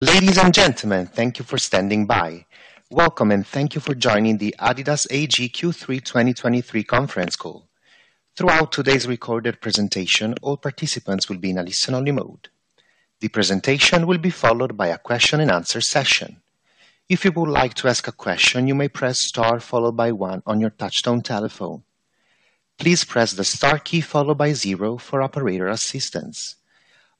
Ladies and gentlemen, thank you for standing by. Welcome, and thank you for joining the adidas AG Q3 2023 conference call. Throughout today's recorded presentation, all participants will be in a listen-only mode. The presentation will be followed by a question and answer session. If you would like to ask a question, you may press star followed by one on your touchtone telephone. Please press the star key followed by zero for operator assistance.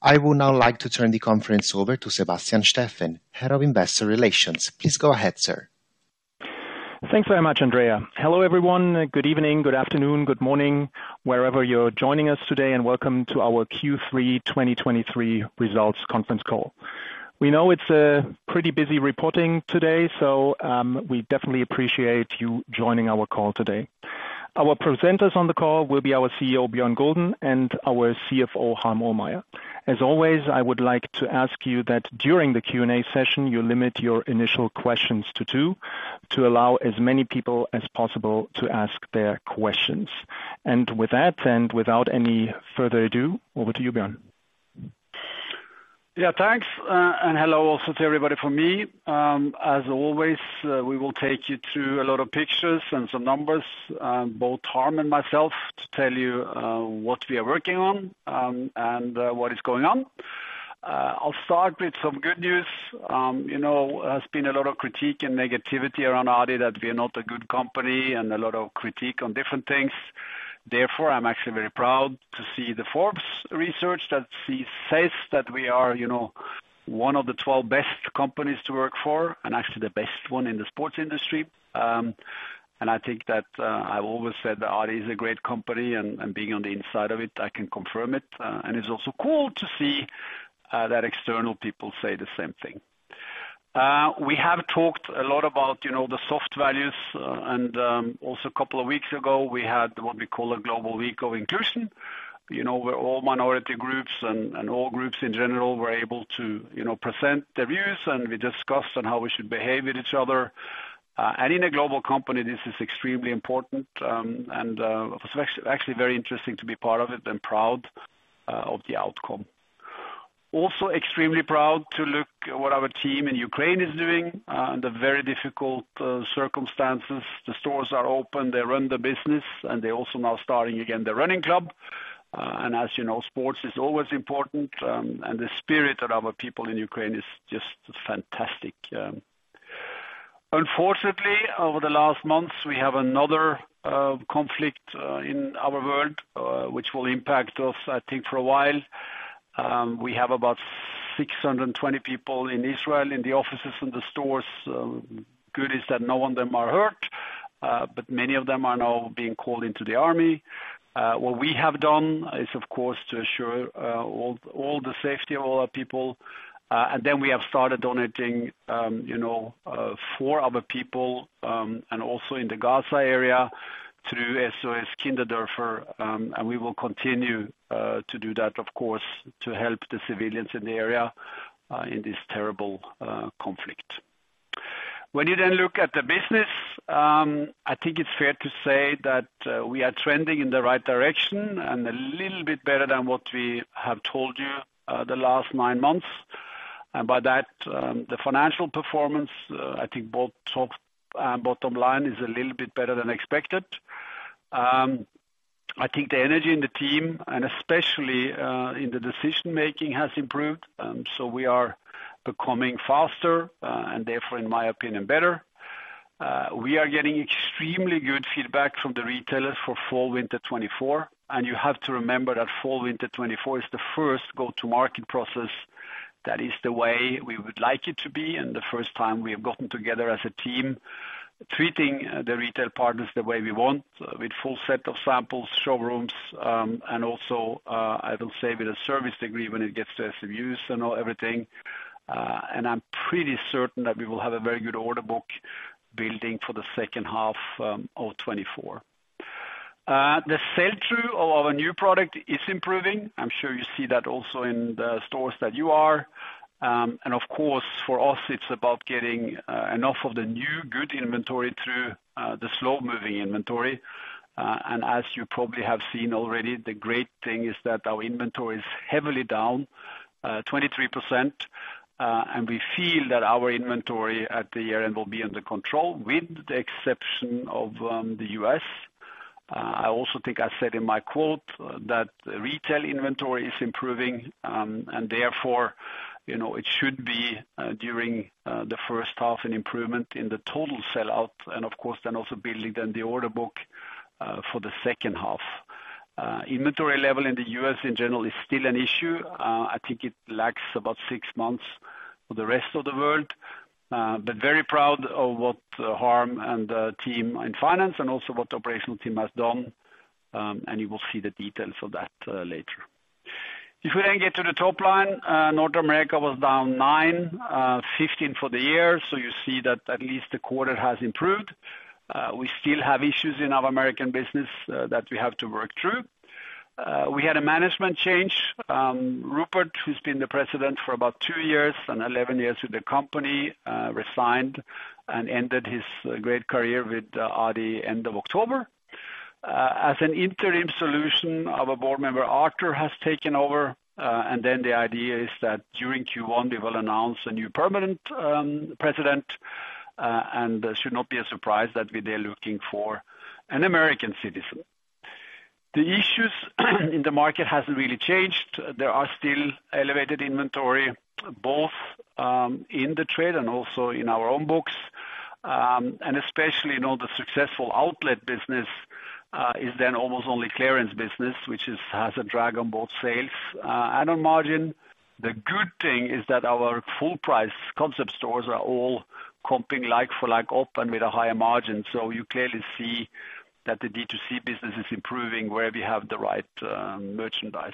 I would now like to turn the conference over to Sebastian Steffen, Head of Investor Relations. Please go ahead, sir. Thanks very much, Andrea. Hello, everyone. Good evening, good afternoon, good morning, wherever you're joining us today, and welcome to our Q3 2023 results conference call. We know it's a pretty busy reporting today, so, we definitely appreciate you joining our call today. Our presenters on the call will be our CEO, Bjørn Gulden, and our CFO, Harm Ohlmeyer. As always, I would like to ask you that during the Q&A session, you limit your initial questions to two, to allow as many people as possible to ask their questions. And with that, and without any further ado, over to you, Bjørn. Yeah, thanks, and hello also to everybody from me. As always, we will take you through a lot of pictures and some numbers, both Harm and myself, to tell you, what we are working on, and, what is going on. I'll start with some good news. You know, there has been a lot of critique and negativity around adidas, that we are not a good company, and a lot of critique on different things. Therefore, I'm actually very proud to see the Forbes research that says that we are, you know, one of the 12 best companies to work for and actually the best one in the sports industry. And I think that, I've always said that adi is a great company, and, and being on the inside of it, I can confirm it, and it's also cool to see that external people say the same thing. We have talked a lot about, you know, the soft values, and, also, a couple of weeks ago, we had what we call a Global Week of Inclusion, you know, where all minority groups and, and all groups in general were able to, you know, present their views, and we discussed on how we should behave with each other. And in a global company, this is extremely important, and, it was actually very interesting to be part of it and proud, of the outcome. Also extremely proud to look at what our team in Ukraine is doing, under very difficult circumstances. The stores are open, they run the business, and they're also now starting again, the running club. And as you know, sports is always important, and the spirit of our people in Ukraine is just fantastic. Unfortunately, over the last months, we have another conflict in our world, which will impact us, I think, for a while. We have about 620 people in Israel, in the offices and the stores. Good is that none of them are hurt, but many of them are now being called into the army. What we have done is, of course, to assure all the safety of all our people, and then we have started donating, you know, for other people, and also in the Gaza area through SOS-Kinderdorf, and we will continue to do that, of course, to help the civilians in the area, in this terrible conflict. When you then look at the business, I think it's fair to say that we are trending in the right direction and a little bit better than what we have told you the last nine months. And by that, the financial performance, I think both top and bottom line is a little bit better than expected. I think the energy in the team, and especially in the decision-making, has improved, so we are becoming faster and therefore, in my opinion, better. We are getting extremely good feedback from the retailers for Fall/Winter 2024, and you have to remember that Fall/Winter 2024 is the first go-to-market process. That is the way we would like it to be, and the first time we have gotten together as a team, treating the retail partners the way we want, with full set of samples, showrooms, and also I will say, with a service degree when it gets to SKUs and all everything. And I'm pretty certain that we will have a very good order book building for the second half of 2024. The sell-through of our new product is improving. I'm sure you see that also in the stores that you are. And of course, for us, it's about getting enough of the new good inventory through the slow-moving inventory. And as you probably have seen already, the great thing is that our inventory is heavily down 23%, and we feel that our inventory at the year-end will be under control, with the exception of the U.S. I also think I said in my quote that retail inventory is improving, and therefore, you know, it should be during the first half, an improvement in the total sell-out, and of course, then also building then the order book for the second half. Inventory level in the U.S. in general is still an issue. I think it lacks about six months for the rest of the world, but very proud of what, Harm and the team in finance and also what the operational team has done, and you will see the details of that, later. If we then get to the top line, North America was down nine, 15 for the year, so you see that at least the quarter has improved. We still have issues in our American business, that we have to work through. We had a management change. Rupert, who's been the president for about two years and 11 years with the company, resigned and ended his, great career with, adidas end of October. As an interim solution, our board member, Arthur, has taken over, and then the idea is that during Q1, we will announce a new permanent president, and should not be a surprise that we they're looking for an American citizen. The issues in the market hasn't really changed. There are still elevated inventory, both, in the trade and also in our own books. And especially in all the successful outlet business is then almost only clearance business, which is, has a drag on both sales, and on margin. The good thing is that our full price concept stores are all comping like-for-like, open with a higher margin. So you clearly see that the D2C business is improving where we have the right, merchandise.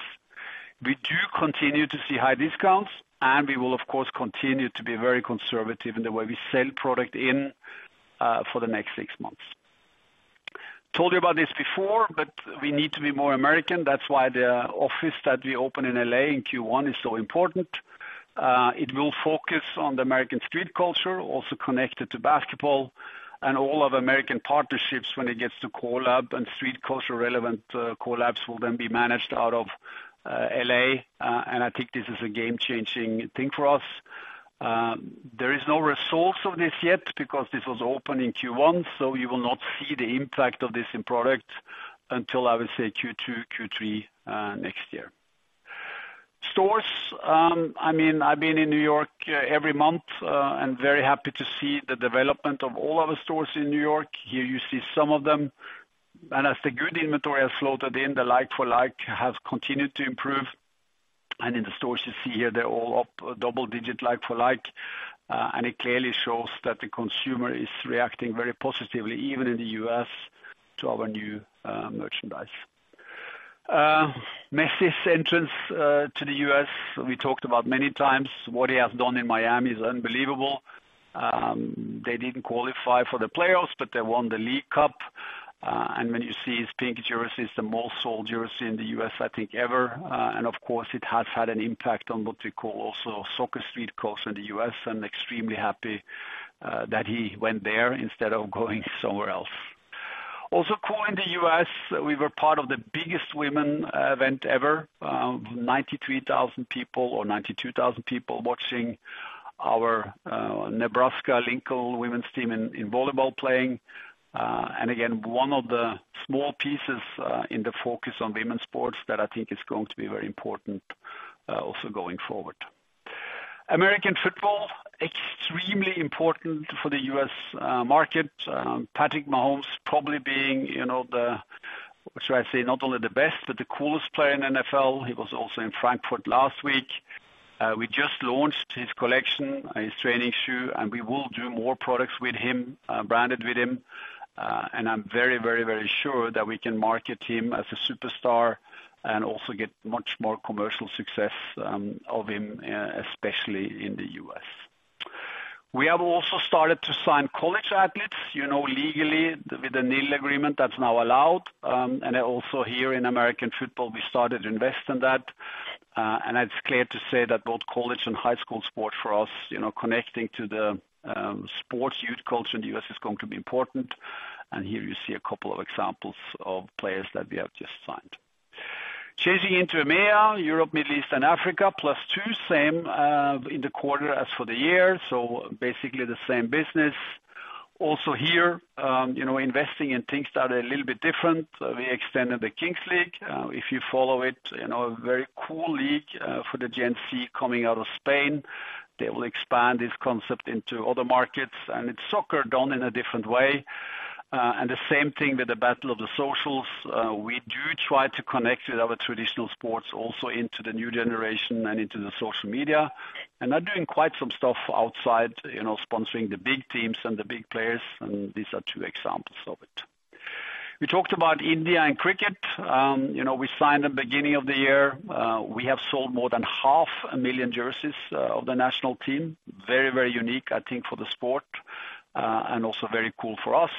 We do continue to see high discounts, and we will, of course, continue to be very conservative in the way we sell product in for the next six months. Told you about this before, but we need to be more American. That's why the office that we open in L.A. in Q1 is so important. It will focus on the American street culture, also connected to basketball and all of American partnerships when it gets to collab and street culture relevant, collabs will then be managed out of L.A., and I think this is a game-changing thing for us. There is no resource of this yet because this was open in Q1, so you will not see the impact of this in product until, I would say, Q2, Q3 next year. Stores, I mean, I've been in New York every month, and very happy to see the development of all of the stores in New York. Here you see some of them. As the good inventory has flowed in, the like-for-like has continued to improve. And in the stores you see here, they're all up double-digit like-for-like, and it clearly shows that the consumer is reacting very positively, even in the U.S., to our new merchandise. Messi's entrance to the U.S., we talked about many times. What he has done in Miami is unbelievable. They didn't qualify for the playoffs, but they won the Leagues Cup. And when you see his pink jersey, it's the most sold jersey in the U.S., I think, ever. And of course, it has had an impact on what we call also soccer street core in the U.S. I'm extremely happy that he went there instead of going somewhere else. Also, cool in the U.S., we were part of the biggest women's event ever. 93,000 people or 92,000 people watching our Nebraska Lincoln women's team in volleyball playing. And again, one of the small pieces in the focus on women's sports that I think is going to be very important also going forward. American football, extremely important for the U.S. market. Patrick Mahomes, probably being, you know, the, should I say, not only the best, but the coolest player in NFL. He was also in Frankfurt last week. We just launched his collection, his training shoe, and we will do more products with him, branded with him. And I'm very, very, very sure that we can market him as a superstar and also get much more commercial success of him, especially in the U.S. We have also started to sign college athletes, you know, legally with the NIL agreement that's now allowed. And also here in American football, we started to invest in that. And it's clear to say that both college and high school sports for us, you know, connecting to the sports youth culture in the U.S. is going to be important. And here you see a couple of examples of players that we have just signed. Changing into EMEA, Europe, Middle East, and Africa, +2, same, in the quarter as for the year, so basically the same business. Also here, you know, investing in things that are a little bit different. We extended the Kings League. If you follow it, you know, a very cool league, for the Gen Z coming out of Spain. They will expand this concept into other markets, and it's soccer done in a different way. And the same thing with the Battle of the Socials. We do try to connect with our traditional sports also into the new generation and into the social media, and are doing quite some stuff outside, you know, sponsoring the big teams and the big players, and these are two examples of it. We talked about India and cricket. You know, we signed the beginning of the year. We have sold more than 500,000 jerseys of the national team. Very, very unique, I think, for the sport, and also very cool for us.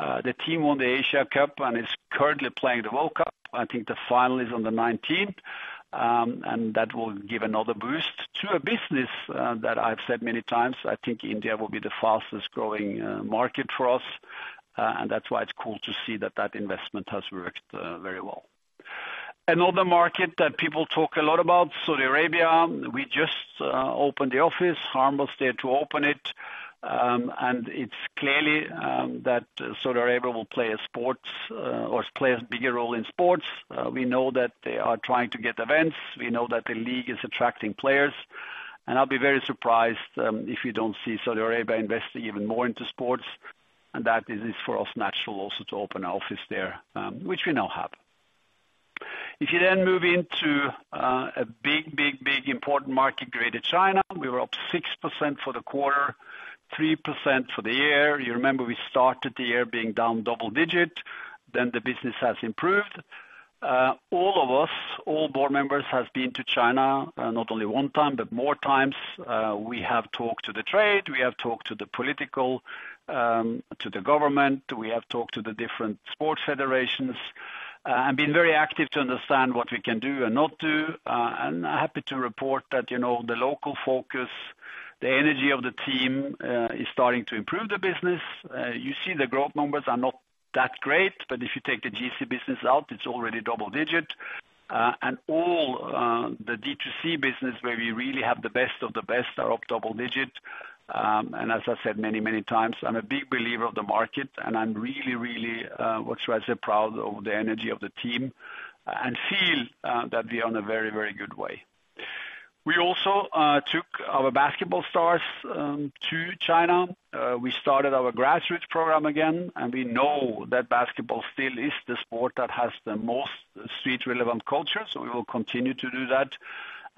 The team won the Asia Cup and is currently playing the World Cup. I think the final is on the nineteenth, and that will give another boost to a business that I've said many times. I think India will be the fastest growing market for us, and that's why it's cool to see that that investment has worked very well. Another market that people talk a lot about, Saudi Arabia, we just opened the office. Harm was there to open it. And it's clearly that Saudi Arabia will play a sports or play a bigger role in sports. We know that they are trying to get events. We know that the league is attracting players, and I'll be very surprised if you don't see Saudi Arabia investing even more into sports, and that is for us natural also to open an office there, which we now have. If you then move into a big, big, big important market, Greater China, we were up 6% for the quarter, 3% for the year. You remember we started the year being down double digit, then the business has improved. All of us, all board members has been to China, not only one time, but more times. We have talked to the trade, we have talked to the political, to the government. We have talked to the different sports federations. And been very active to understand what we can do and not do. And I'm happy to report that, you know, the local focus, the energy of the team, is starting to improve the business. You see the growth numbers are not that great, but if you take the GC business out, it's already double digit. And all, the D2C business, where we really have the best of the best, are up double digit. And as I said many, many times, I'm a big believer of the market, and I'm really, really, what should I say, proud of the energy of the team, and feel that we are on a very, very good way. We also took our basketball stars to China. We started our graduates program again, and we know that basketball still is the sport that has the most street-relevant culture, so we will continue to do that.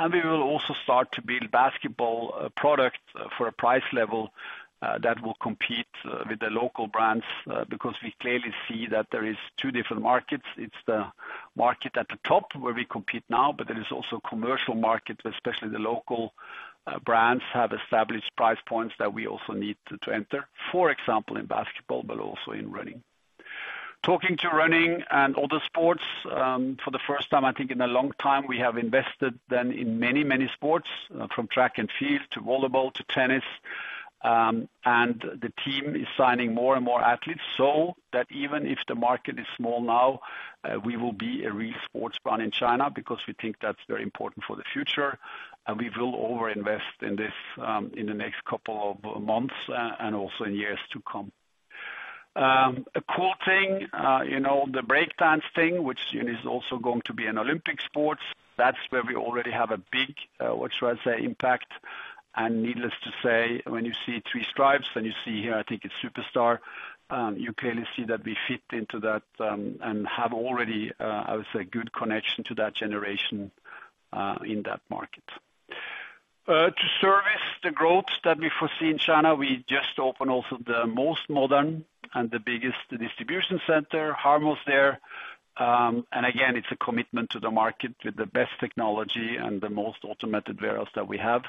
We will also start to build basketball product for a price level that will compete with the local brands because we clearly see that there is two different markets. It's the market at the top, where we compete now, but there is also commercial market, especially the local brands, have established price points that we also need to enter, for example, in basketball, but also in running. Talking to running and other sports, for the first time, I think in a long time, we have invested then in many, many sports, from track and field to volleyball to tennis. And the team is signing more and more athletes, so that even if the market is small now, we will be a real sports brand in China, because we think that's very important for the future. We will overinvest in this, in the next couple of months, and also in years to come. A cool thing, you know, the break dance thing, which, you know, is also going to be an Olympic sports. That's where we already have a big, what should I say, impact. And needless to say, when you see Three Stripes, and you see here, I think it's Superstar, you clearly see that we fit into that, and have already, I would say, good connection to that generation, in that market. To service the growth that we foresee in China, we just opened also the most modern and the biggest distribution center. Harm's there. And again, it's a commitment to the market with the best technology and the most automated warehouse that we have.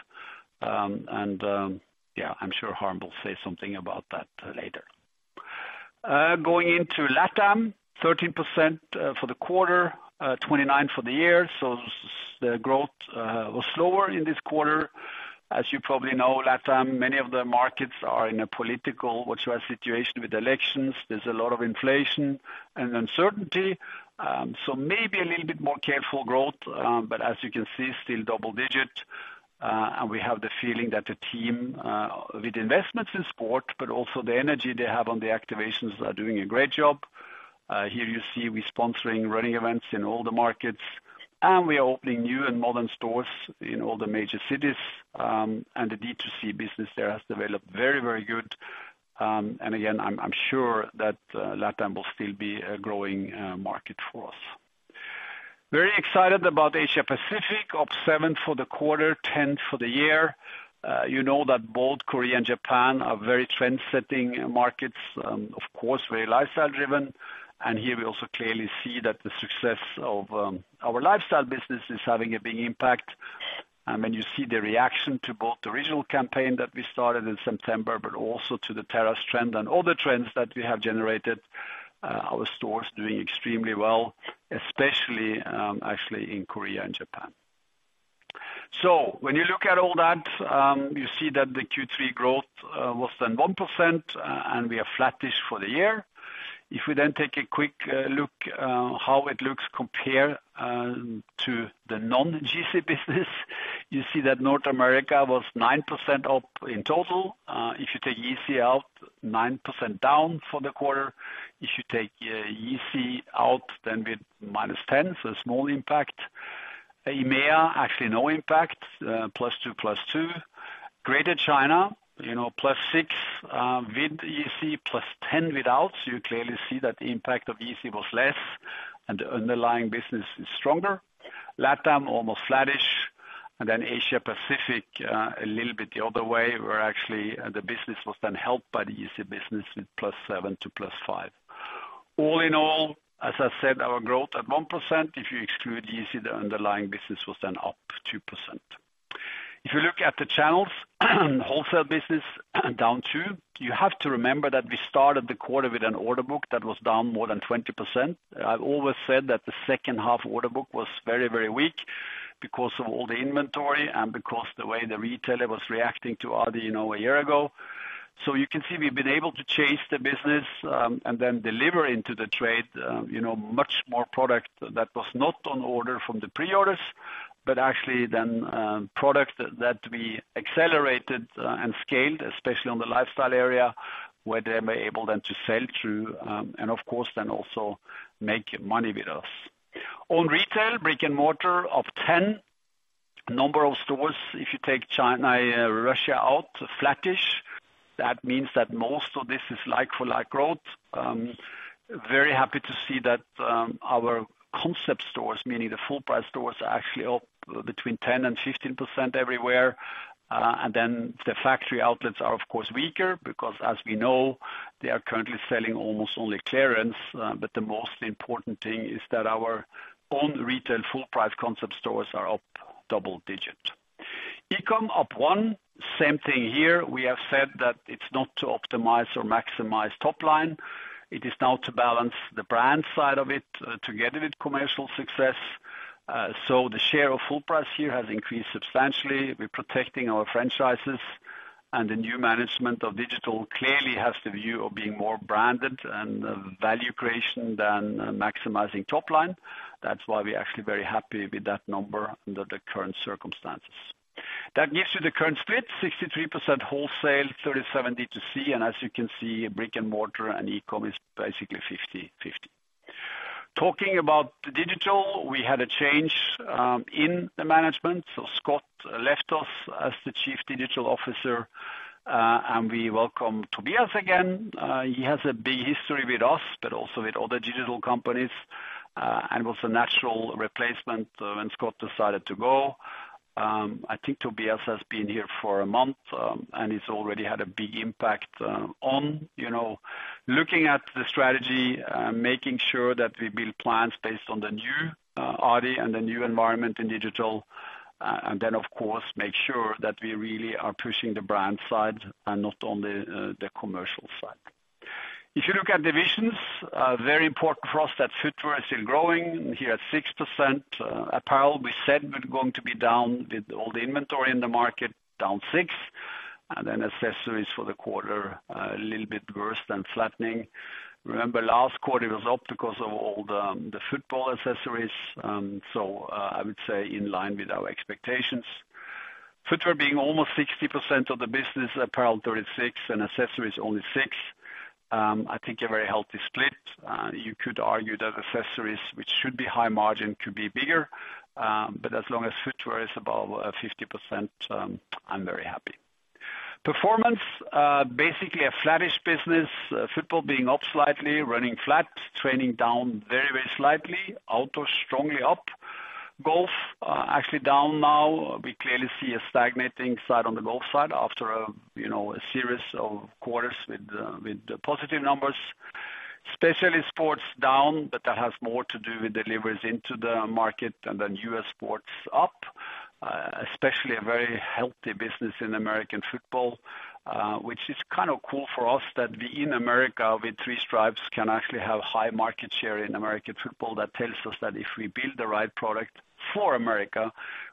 Yeah, I'm sure Harm will say something about that later. Going into LATAM, 13% for the quarter, 29 for the year. So the growth was slower in this quarter. As you probably know, LATAM, many of the markets are in a political, what's the right situation, with elections. There's a lot of inflation and uncertainty. So maybe a little bit more careful growth, but as you can see, still double digit. And we have the feeling that the team, with investments in sport, but also the energy they have on the activations, are doing a great job. Here you see we sponsoring running events in all the markets, and we are opening new and modern stores in all the major cities. And the D2C business there has developed very, very good. And again, I'm sure that LATAM will still be a growing market for us. Very excited about Asia Pacific, up seven for the quarter, 10 for the year. You know that both Korea and Japan are very trendsetting markets, of course, very lifestyle-driven. And here we also clearly see that the success of our lifestyle business is having a big impact. And when you see the reaction to both the original campaign that we started in September, but also to the terrace trend and all the trends that we have generated, our stores are doing extremely well, especially actually, in Korea and Japan. So when you look at all that, you see that the Q3 growth was then 1%, and we are flattish for the year. If we then take a quick look how it looks compared to the non-GC business, you see that North America was 9% up in total. If you take Yeezy out, 9% down for the quarter. If you take Yeezy out, then we're minus 10, so a small impact. EMEA, actually, no impact, plus two, plus two. Greater China, you know, plus six, with Yeezy, +10 without. You clearly see that the impact of Yeezy was less, and the underlying business is stronger. LATAM, almost flattish. And then Asia Pacific, a little bit the other way, where actually the business was then helped by theYeezy business, with plus seven to plus five. All in all, as I said, our growth at 1%, if you exclude Yeezy, the underlying business was then up 2%. If you look at the channels, wholesale business down, too, you have to remember that we started the quarter with an order book that was down more than 20%. I've always said that the second half order book was very, very weak because of all the inventory and because the way the retailer was reacting to adidas, you know, a year ago. So you can see, we've been able to chase the business, and then deliver into the trade, you know, much more product that was not on order from the pre-orders, but actually then, product that we accelerated, and scaled, especially on the lifestyle area, where they were able then to sell through, and of course, then also make money with us. On retail, brick-and-mortar 10%. Number of stores, if you take China, Russia out, flattish. That means that most of this is like-for-like growth. Very happy to see that, our concept stores, meaning the full price stores, are actually up between 10%-15% everywhere. And then the factory outlets are, of course, weaker, because as we know, they are currently selling almost only clearance. But the most important thing is that our own retail full price concept stores are up double-digit. E-com, up one. Same thing here. We have said that it's not to optimize or maximize top line. It is now to balance the brand side of it together with commercial success. So the share of full price here has increased substantially. We're protecting our franchises, and the new management of digital clearly has the view of being more branded and value creation than maximizing top line. That's why we're actually very happy with that number under the current circumstances. That gives you the current split, 63% wholesale, 37% DTC, and as you can see, brick-and-mortar and e-com is basically 50/50. Talking about digital, we had a change in the management. So Scott left us as the Chief Digital Officer, and we welcome Tobias again. He has a big history with us, but also with other digital companies, and was a natural replacement, when Scott decided to go. I think Tobias has been here for a month, and he's already had a big impact, on, you know, looking at the strategy, making sure that we build plans based on the new adidas and the new environment in digital. And then, of course, make sure that we really are pushing the brand side and not only the commercial side. If you look at divisions, a very important for us, that footwear is still growing, here at 6%. Apparel, we said was going to be down with all the inventory in the market, down 6%. And then accessories for the quarter, a little bit worse than flattening. Remember, last quarter, it was up because of all the, the football accessories, so, I would say in line with our expectations. Footwear being almost 60% of the business, apparel 36%, and accessories only 6%, I think a very healthy split. You could argue that accessories, which should be high margin, could be bigger, but as long as footwear is above 50%, I'm very happy. Performance, basically a flattish business. Football being up slightly, running flat, training down very, very slightly. Outdoor, strongly up. Golf, actually down now. We clearly see a stagnating side on the golf side after a, you know, a series of quarters with positive numbers. Specialty sports down, but that has more to do with deliveries into the market, and then U.S. sports up, especially a very healthy business in American football. Which is kind of cool for us that we, in America, with Three Stripes, can actually have high market share in American football. That tells us that if we build the right product for America,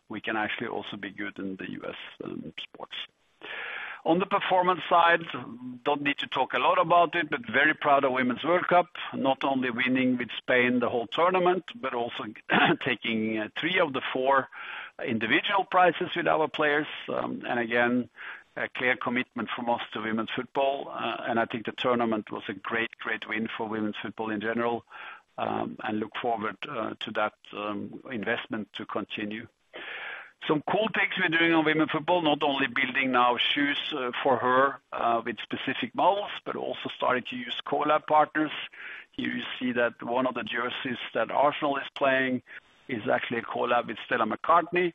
we can actually also be good in the U.S., sports. On the performance side, don't need to talk a lot about it, but very proud of Women's World Cup, not only winning with Spain the whole tournament, but also taking three of the four individual prizes with our players. And again, a clear commitment from us to women's football. And I think the tournament was a great, great win for women's football in general, and look forward to that investment to continue. Some cool things we're doing on women football, not only building now shoes for her with specific models, but also starting to use collab partners. Here you see that one of the jerseys that Arsenal is playing is actually a collab with Stella McCartney.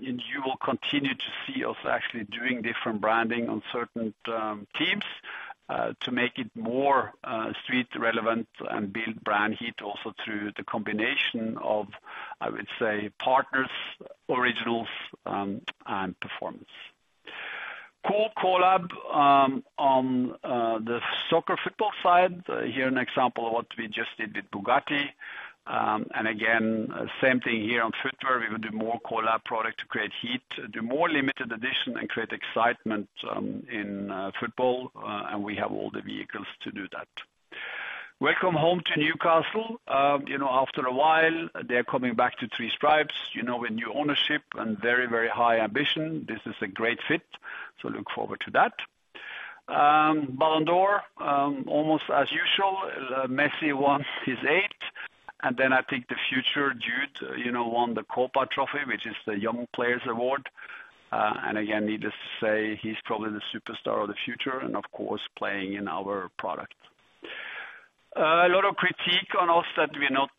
You will continue to see us actually doing different branding on certain teams to make it more street relevant and build brand heat also through the combination of, I would say, partners, originals, and performance. Cool collab on the soccer/football side. Here, an example of what we just did with Bugatti. And again, same thing here on footwear. We will do more collab product to create heat, do more limited edition, and create excitement in football, and we have all the vehicles to do that. Welcome home to Newcastle. You know, after a while, they're coming back to Three Stripes, you know, with new ownership and very, very high ambition. This is a great fit, so look forward to that. Ballon d'Or, almost as usual, Messi won his eighth, and then I think the future, Jude, you know, won the Kopa Trophy, which is the young players award. And again, needless to say, he's probably the superstar of the future and, of course, playing in our product. A lot of critique on us that we're not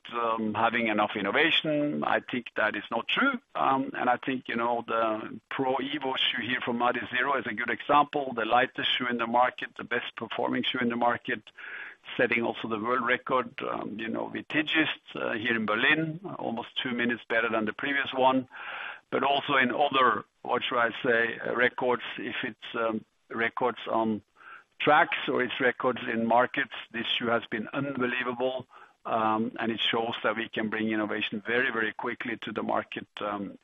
having enough innovation. I think that is not true. And I think, you know, the Pro Evo shoe here from Adizero is a good example. The lightest shoe in the market, the best performing shoe in the market, setting also the world record. You know, with Tigist, here in Berlin, almost 2 minutes better than the previous one. But also in other, what should I say, records, if it's records on tracks or it's records in markets, this shoe has been unbelievable, and it shows that we can bring innovation very, very quickly to the market,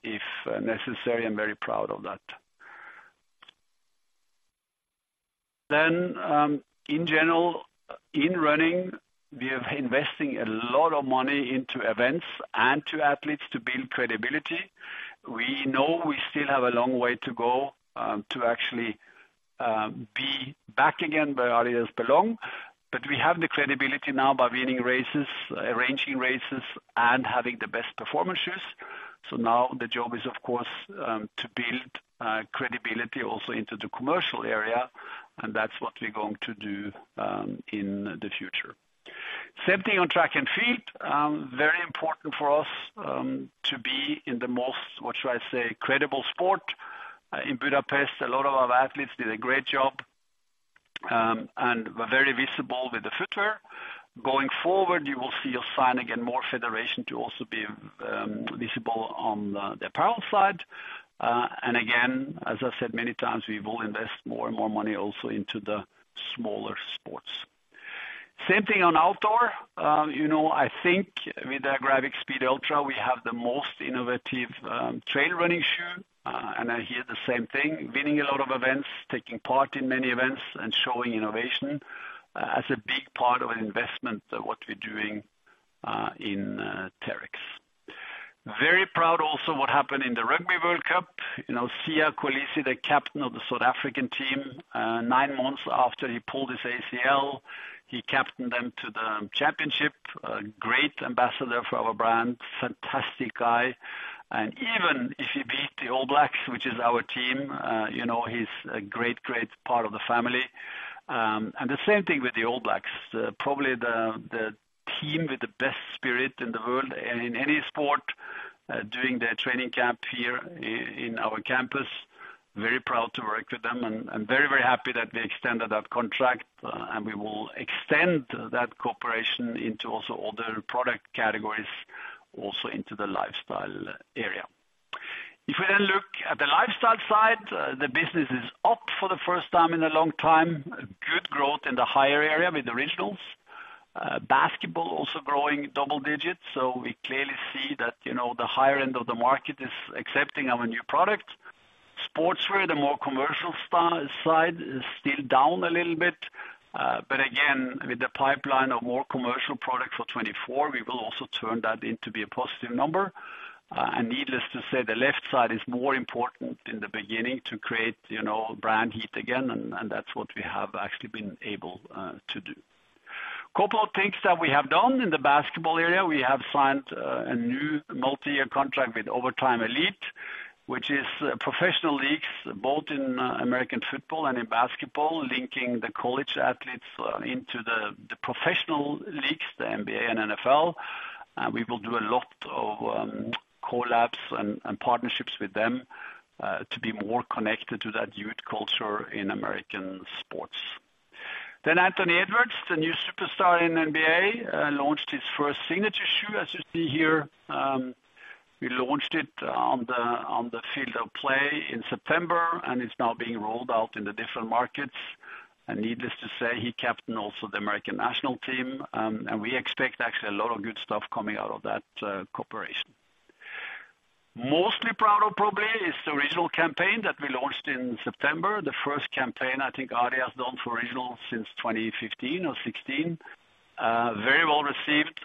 if necessary. I'm very proud of that. Then, in general, in running, we are investing a lot of money into events and to athletes to build credibility. We know we still have a long way to go, to actually be back again where adidas' belong. But we have the credibility now by winning races, arranging races, and having the best performance shoes. So now the job is, of course, to build credibility also into the commercial area, and that's what we're going to do, in the future. Same thing on track and field. Very important for us to be in the most, what should I say, credible sport. In Budapest, a lot of our athletes did a great job, and we're very visible with the footwear. Going forward, you will see us signing and more federation to also be visible on the apparel side. And again, as I've said many times, we will invest more and more money also into the smaller sports. Same thing on outdoor. You know, I think with the Agravic Speed Ultra, we have the most innovative trail running shoe. And I hear the same thing, winning a lot of events, taking part in many events, and showing innovation as a big part of an investment of what we're doing in TERREX. Very proud also what happened in the Rugby World Cup. You know, Siya Kolisi, the captain of the South African team, nine months after he pulled his ACL, he captained them to the championship. A great ambassador for our brand, fantastic guy, and even if he beat the All Blacks, which is our team, you know, he's a great, great part of the family. And the same thing with the All Blacks, probably the team with the best spirit in the world and in any sport, doing their training camp here in our campus. Very proud to work with them, and I'm very, very happy that we extended that contract, and we will extend that cooperation into also other product categories, also into the lifestyle area. If we then look at the lifestyle side, the business is up for the first time in a long time. Good growth in the higher area with Originals. Basketball also growing double digits, so we clearly see that, you know, the higher end of the market is accepting our new product. Sportswear, the more commercial side, is still down a little bit, but again, with the pipeline of more commercial products for 2024, we will also turn that into a positive number. And needless to say, the left side is more important in the beginning to create, you know, brand heat again, and that's what we have actually been able to do. Couple of things that we have done in the basketball area, we have signed a new multi-year contract with Overtime Elite, which is professional leagues, both in American football and in basketball, linking the college athletes into the professional leagues, the NBA and NFL. We will do a lot of collabs and partnerships with them to be more connected to that youth culture in American sports. Then Anthony Edwards, the new superstar in NBA, launched his first signature shoe, as you see here. We launched it on the field of play in September, and it's now being rolled out in the different markets. Needless to say, he captained also the American national team, and we expect actually a lot of good stuff coming out of that cooperation. Mostly proud of probably is the Originals campaign that we launched in September. The first campaign I think adidas has done for Originals since 2015 or 2016. Very well received.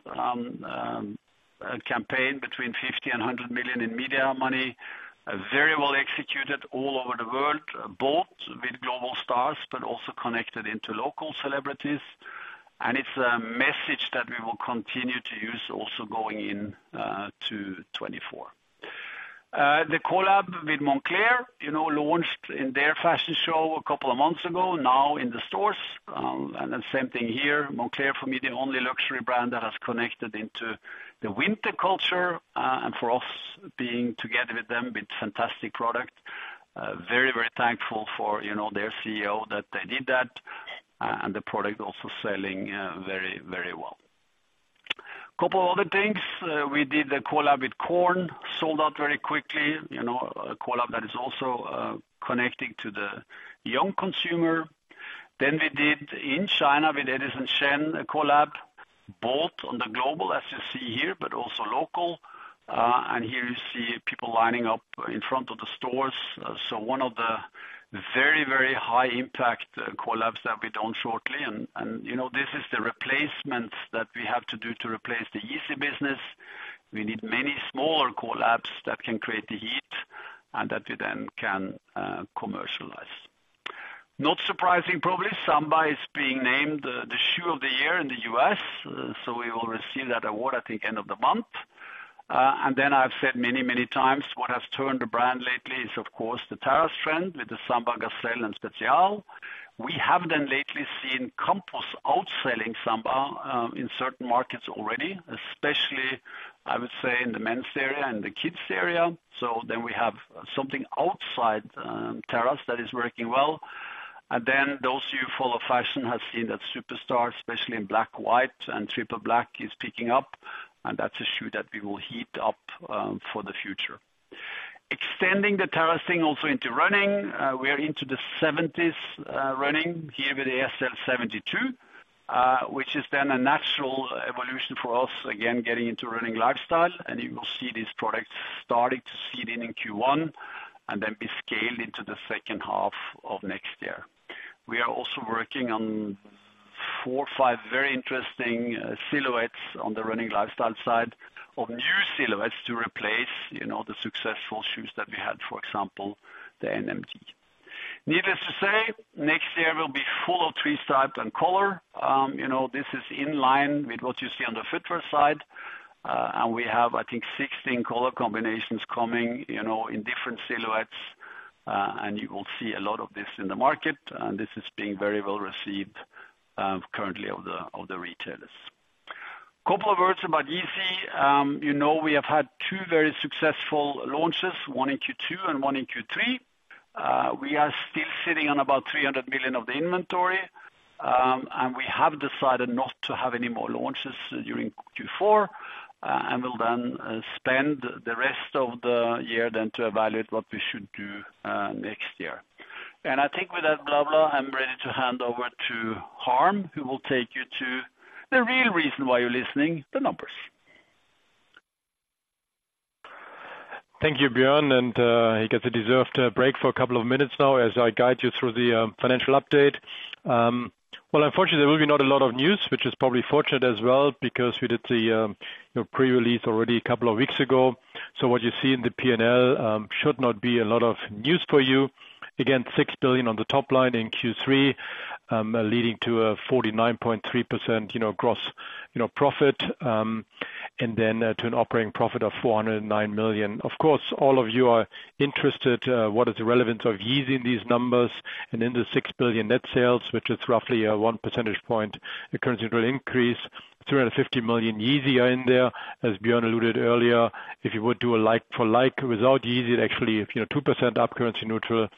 A campaign between 50 million and 100 million in media money. Very well executed all over the world, both with global stars, but also connected into local celebrities. It's a message that we will continue to use also going in to 2024. The collab with Moncler, you know, launched in their fashion show a couple of months ago, now in the stores. The same thing here, Moncler, for me, the only luxury brand that has connected into the winter culture, and for us, being together with them, with fantastic product, very, very thankful for, you know, their CEO, that they did that, and the product also selling very, very well. Couple other things, we did the collab with Korn, sold out very quickly, you know, a collab that is also connecting to the young consumer. Then we did in China with Edison Chen, a collab, both on the global, as you see here, but also local. And here you see people lining up in front of the stores. So one of the very, very high impact collabs that we've done shortly. And you know, this is the replacement that we have to do to replace the easy business. We need many smaller collabs that can create the heat and that we then can commercialize. Not surprising, probably, Samba is being named the Shoe of the Year in the U.S. so we will receive that award, I think, end of the month. And then I've said many, many times, what has turned the brand lately is, of course, the Terrace trend with the Samba, Gazelle, and Spezial. We have then lately seen Campus outselling Samba in certain markets already, especially, I would say, in the men's area and the kids area. So then we have something outside terrace that is working well. And then those of you who follow fashion have seen that Superstar, especially in black, white, and triple black, is picking up, and that's a shoe that we will heat up for the future. Extending the terrace thing also into running, we are into the 1970s running here with the SL 72, which is then a natural evolution for us, again, getting into running lifestyle, and you will see these products starting to seed in in Q1, and then be scaled into the second half of next year. We are also working on four or five very interesting silhouettes on the running lifestyle side, of new silhouettes to replace, you know, the successful shoes that we had, for example, the NMD. Needless to say, next year will be full of three stripe and color. You know, this is in line with what you see on the footwear side. And we have, I think, 16 color combinations coming, you know, in different silhouettes, and you will see a lot of this in the market, and this is being very well received, currently of the retailers. Couple of words about Yeezy. You know, we have had two very successful launches, one in Q2 and one in Q3. We are still sitting on about 300 million of the inventory, and we have decided not to have any more launches during Q4. We'll then spend the rest of the year then to evaluate what we should do, next year. I think with that blah, blah, I'm ready to hand over to Harm, who will take you to the real reason why you're listening, the numbers. Thank you, Bjørn, and, he gets a deserved break for a couple of minutes now as I guide you through the, financial update. Well, unfortunately, there will be not a lot of news, which is probably fortunate as well, because we did the, you know, pre-release already a couple of weeks ago. So what you see in the P&L, should not be a lot of news for you. Again, 6 billion on the top line in Q3, leading to a 49.3%, you know, gross, you know, profit, and then, to an operating profit of 409 million. Of course, all of you are interested, what is the relevance of Yeezy in these numbers? In the 6 billion net sales, which is roughly a 1 percentage point, the currency will increase 350 million Yeezy in there. As Bjørn alluded earlier, if you would do a like-for-like, without Yeezy, it actually, you know, 2% up currency neutral.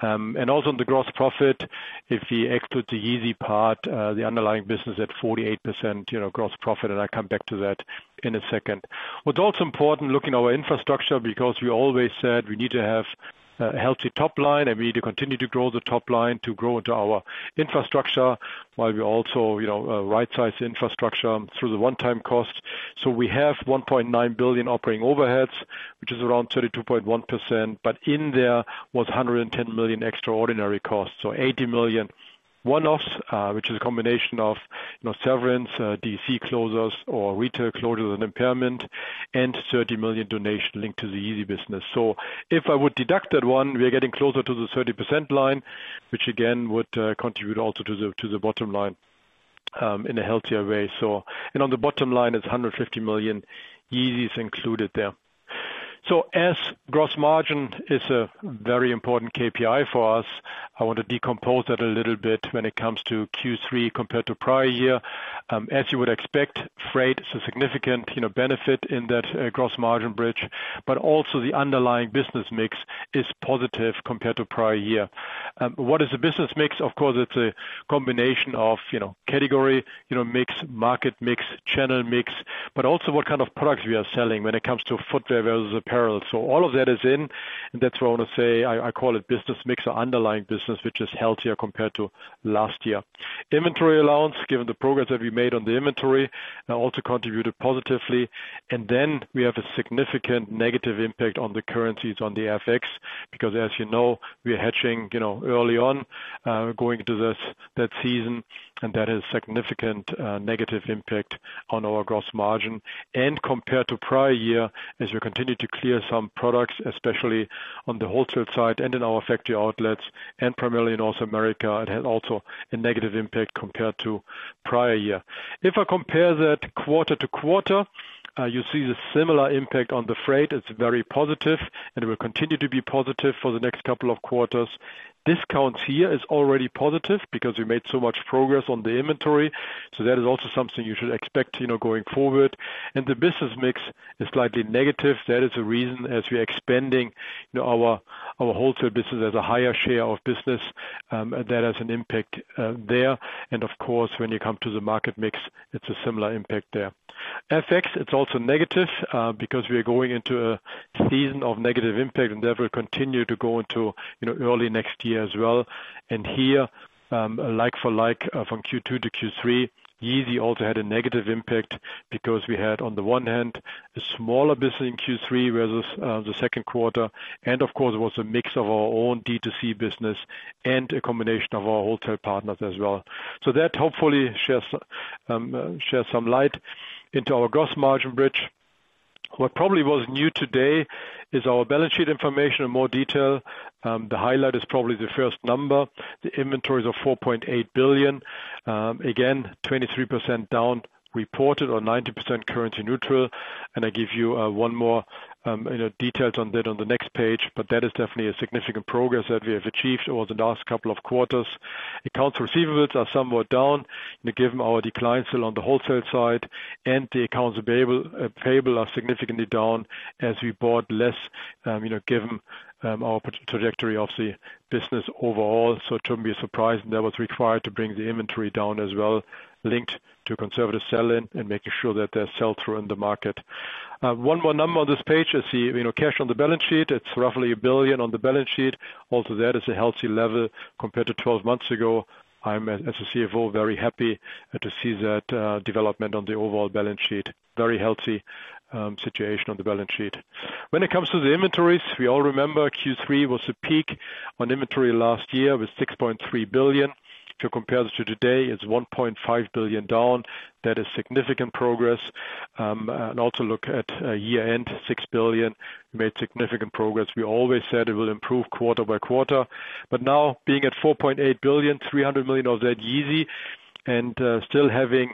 And also on the gross profit, if we exclude the Yeezy part, the underlying business at 48%, you know, gross profit, and I come back to that in a second. What's also important, looking at our infrastructure, because we always said we need to have a healthy top line, and we need to continue to grow the top line to grow into our infrastructure, while we also, you know, right-size the infrastructure through the one-time cost. So we have 1.9 billion operating overheads, which is around 32.1%, but in there was 110 million extraordinary costs. So 80 million one-offs, which is a combination of, you know, severance, DC closures or retail closures and impairment, and 30 million donation linked to the Yeezy business. So if I would deduct that one, we are getting closer to the 30% line, which again, would contribute also to the, to the bottom line, in a healthier way. So and on the bottom line, it's 150 million Yeezy is included there. So as gross margin is a very important KPI for us, I want to decompose that a little bit when it comes to Q3 compared to prior year. As you would expect, freight is a significant, you know, benefit in that, gross margin bridge, but also the underlying business mix is positive compared to prior year. What is the business mix? Of course, it's a combination of, you know, category, you know, mix, market mix, channel mix, but also what kind of products we are selling when it comes to footwear versus apparel. So all of that is in, and that's why I want to say I, I call it business mix or underlying business, which is healthier compared to last year. Inventory allowance, given the progress that we made on the inventory, also contributed positively. And then we have a significant negative impact on the currencies, on the FX, because as you know, we are hedging, you know, early on, going into this, that season, and that is significant, negative impact on our gross margin. And compared to prior year, as we continue to clear some products, especially on the wholesale side and in our factory outlets, and primarily in North America, it had also a negative impact compared to prior year. If I compare that quarter to quarter, you see the similar impact on the freight. It's very positive, and it will continue to be positive for the next couple of quarters. Discounts here is already positive because we made so much progress on the inventory, so that is also something you should expect, you know, going forward. And the business mix is slightly negative. That is a reason as we are expanding, you know, our wholesale business as a higher share of business, and that has an impact there. And of course, when you come to the market mix, it's a similar impact there. FX, it's also negative because we are going into a season of negative impact, and that will continue to go into, you know, early next year as well. And here, like-for-like from Q2-Q3, Yeezy also had a negative impact because we had, on the one hand, a smaller business in Q3 whereas the second quarter, and of course, it was a mix of our own D2C business and a combination of our wholesale partners as well. So that hopefully sheds some light into our gross margin bridge. What probably was new today is our balance sheet information in more detail. The highlight is probably the first number. The inventories are 4.8 billion. Again, 23% down, reported 90% currency neutral. And I give you one more, you know, details on that on the next page, but that is definitely a significant progress that we have achieved over the last couple of quarters. Accounts receivable are somewhat down, and given our declines still on the wholesale side, and the accounts payable are significantly down as we bought less, you know, given our trajectory of the business overall. So it shouldn't be a surprise, and that was required to bring the inventory down as well, linked to conservative selling and making sure that there's sell-through in the market. One more number on this page is the, you know, cash on the balance sheet. It's roughly 1 billion on the balance sheet. Also, that is a healthy level compared to 12 months ago. I'm, as a CFO, very happy to see that, development on the overall balance sheet. Very healthy situation on the balance sheet. When it comes to the inventories, we all remember Q3 was a peak on inventory last year with 6.3 billion. To compare this to today, it's 1.5 billion down. That is significant progress. Also look at year-end 6 billion. We made significant progress. We always said it will improve quarter by quarter, but now being at 4.8 billion, 300 million of that, Yeezy, and still having,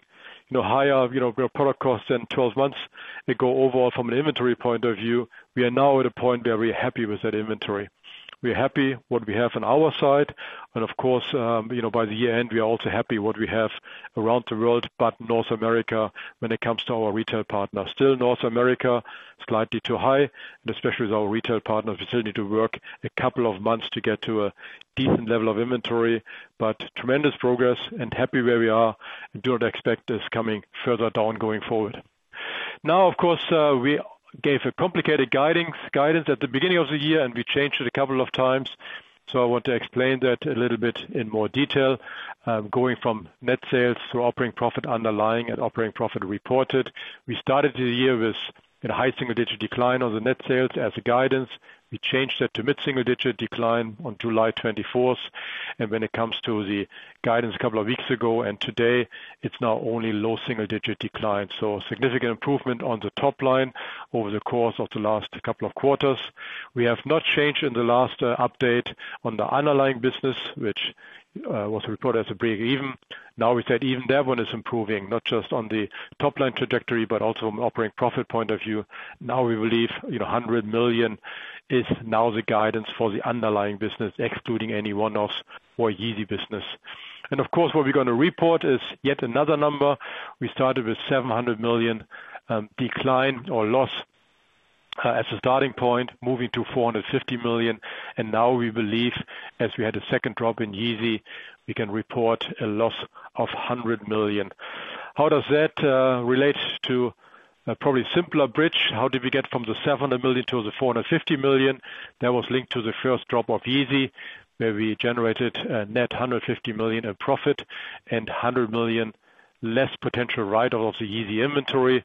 you know, higher, you know, product costs than twelve months ago. Overall, from an inventory point of view, we are now at a point where we're happy with that inventory. We're happy what we have on our side, and of course, you know, by the year end, we are also happy what we have around the world, but North America, when it comes to our retail partners. Still North America, slightly too high, and especially with our retail partners, we still need to work a couple of months to get to a decent level of inventory, but tremendous progress and happy where we are, and do not expect this coming further down going forward. Now, of course, we gave a complicated guiding, guidance at the beginning of the year, and we changed it a couple of times, so I want to explain that a little bit in more detail. Going from net sales to operating profit underlying and operating profit reported. We started the year with a high single digit decline on the net sales as a guidance. We changed that to mid-single digit decline on July 24, and when it comes to the guidance a couple of weeks ago, and today, it's now only low single digit decline. So significant improvement on the top line over the course of the last couple of quarters. We have not changed in the last update on the underlying business, which was reported as a break even. Now, we said even that one is improving, not just on the top line trajectory, but also operating profit point of view. Now we believe, you know, 100 million is now the guidance for the underlying business, excluding any one-offs or Yeezy business. And of course, what we're gonna report is yet another number. We started with 700 million decline or loss as a starting point, moving to 450 million, and now we believe, as we had a second drop in Yeezy, we can report a loss of 100 million. How does that relate to a probably simpler bridge? How did we get from the 700 million to the 450 million? That was linked to the first drop of Yeezy, where we generated a net 150 million in profit and 100 million less potential write-off of the Yeezy inventory.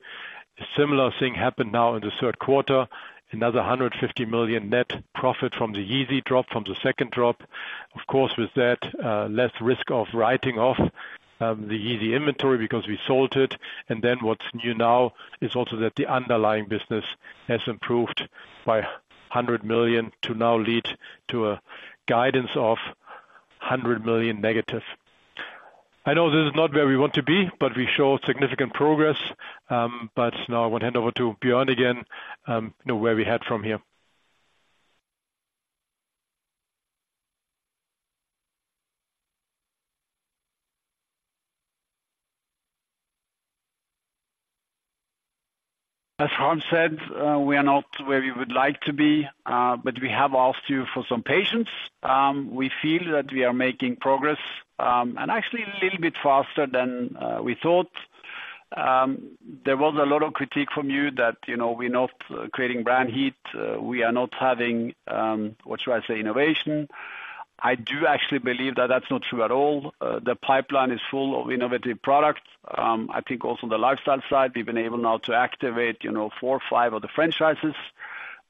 A similar thing happened now in the third quarter, another 150 million net profit from the Yeezy drop, from the second drop. Of course, with that, less risk of writing off the Yeezy inventory because we sold it. Then what's new now is also that the underlying business has improved by 100 million to now lead to a guidance of 100 million negative. I know this is not where we want to be, but we show significant progress, but now I want to hand over to Bjørn again, know where we head from here. As Hans said, we are not where we would like to be, but we have asked you for some patience. We feel that we are making progress, and actually a little bit faster than we thought. There was a lot of critique from you that, you know, we're not creating brand heat, we are not having, what should I say, innovation. I do actually believe that that's not true at all. The pipeline is full of innovative products. I think also the lifestyle side, we've been able now to activate, you know, four or five of the franchises.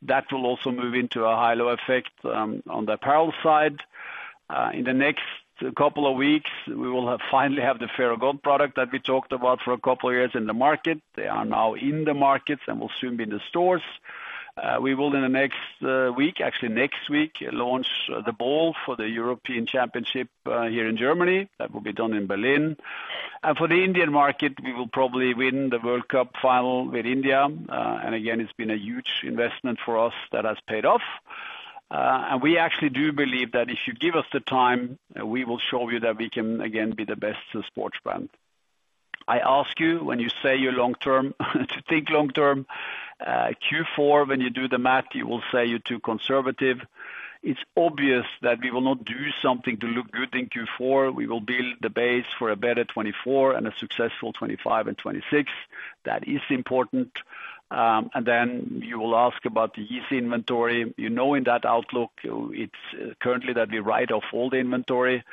That will also move into a high-low effect, on the apparel side. In the next couple of weeks, we will have, finally have the Fear of God product that we talked about for a couple of years in the market. They are now in the markets and will soon be in the stores. We will, in the next week, actually next week, launch the ball for the European Championship here in Germany. That will be done in Berlin. For the Indian market, we will probably win the World Cup final with India. Again, it's been a huge investment for us that has paid off. We actually do believe that if you give us the time, we will show you that we can again be the best sports brand. I ask you, when you say you're long term, to think long term. Q4, when you do the math, you will say you're too conservative. It's obvious that we will not do something to look good in Q4. We will build the base for a better 2024 and a successful 2025 and 2026. That is important. And then you will ask about the Yeezy inventory. You know, in that outlook, it's currently that we write off all the inventory.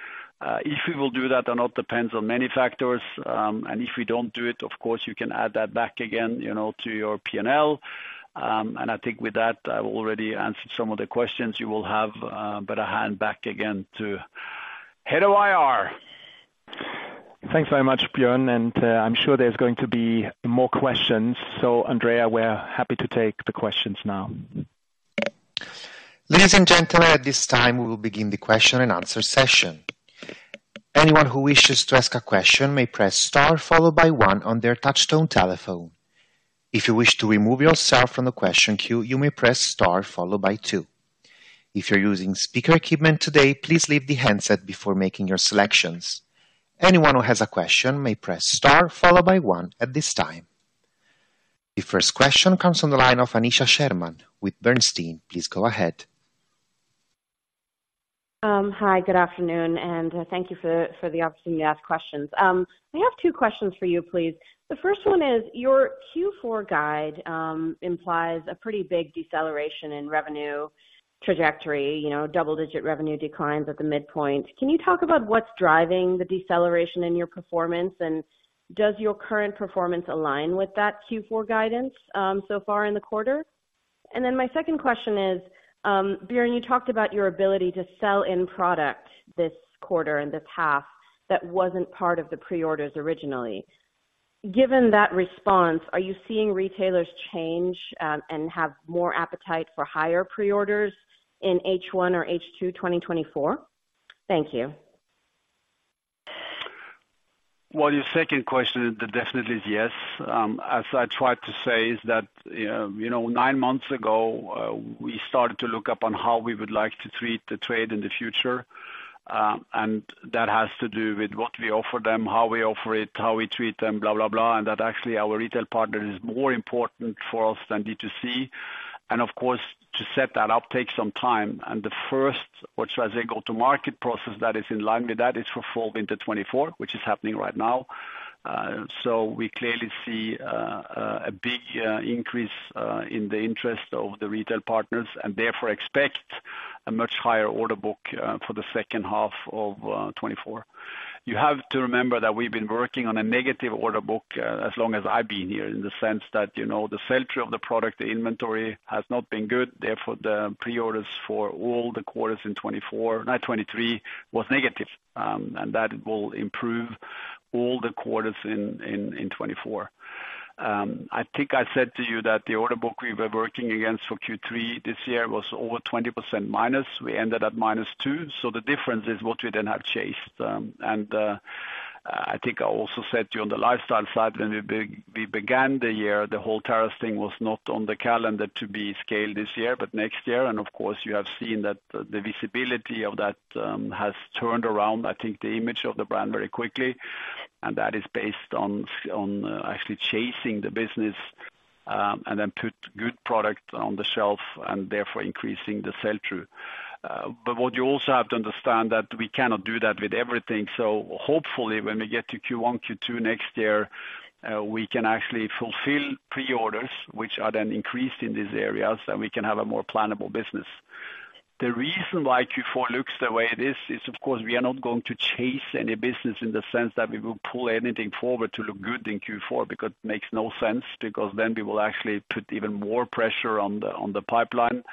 If we will do that or not, depends on many factors. And if we don't do it, of course, you can add that back again, you know, to your P&L. And I think with that, I've already answered some of the questions you will have, but I hand back again to head of IR. Thanks very much, Bjørn, and I'm sure there's going to be more questions. So Andrea, we're happy to take the questions now. Ladies and gentlemen, at this time, we will begin the question and answer session. Anyone who wishes to ask a question may press star, followed by one on their touchtone telephone. If you wish to remove yourself from the question queue, you may press star, followed by two. If you're using speaker equipment today, please leave the handset before making your selections. Anyone who has a question may press star, followed by one at this time. The first question comes on the line of Aneesha Sherman with Bernstein. Please go ahead. Hi, good afternoon, and thank you for the opportunity to ask questions. I have two questions for you, please. The first one is, your Q4 guide implies a pretty big deceleration in revenue trajectory, you know, double-digit revenue declines at the midpoint. Can you talk about what's driving the deceleration in your performance, and does your current performance align with that Q4 guidance so far in the quarter? And then my second question is, Bjørn, you talked about your ability to sell in product this quarter and the past that wasn't part of the pre-orders originally. Given that response, are you seeing retailers change and have more appetite for higher pre-orders in H1 or H2, 2024? Thank you. Well, your second question definitely is yes. As I tried to say is that, you know, nine months ago, we started to look up on how we would like to treat the trade in the future. And that has to do with what we offer them, how we offer it, how we treat them, blah, blah, blah, and that actually our retail partner is more important for us than D2C. And of course, to set that up takes some time. And the first, what should I say, go-to-market process that is in line with that is for fall winter 2024, which is happening right now. So we clearly see a big increase in the interest of the retail partners and therefore expect a much higher order book for the second half of 2024. You have to remember that we've been working on a negative order book, as long as I've been here, in the sense that, you know, the sell-through of the product, the inventory, has not been good. Therefore, the pre-orders for all the quarters in 2024, not 2023, was negative. And that will improve all the quarters in 2024. I think I said to you that the order book we were working against for Q3 this year was over 20%-. We ended at -2, so the difference is what we then have chased. And I think I also said to you on the lifestyle side, when we began the year, the whole Terrace thing was not on the calendar to be scaled this year, but next year. Of course, you have seen that the visibility of that has turned around, I think, the image of the brand very quickly, and that is based on actually chasing the business, and then put good product on the shelf and therefore increasing the sell-through. But what you also have to understand that we cannot do that with everything. So hopefully, when we get to Q1, Q2 next year, we can actually fulfill pre-orders, which are then increased in these areas, and we can have a more plannable business. The reason why Q4 looks the way it is, is of course, we are not going to chase any business in the sense that we will pull anything forward to look good in Q4, because it makes no sense, because then we will actually put even more pressure on the pipeline.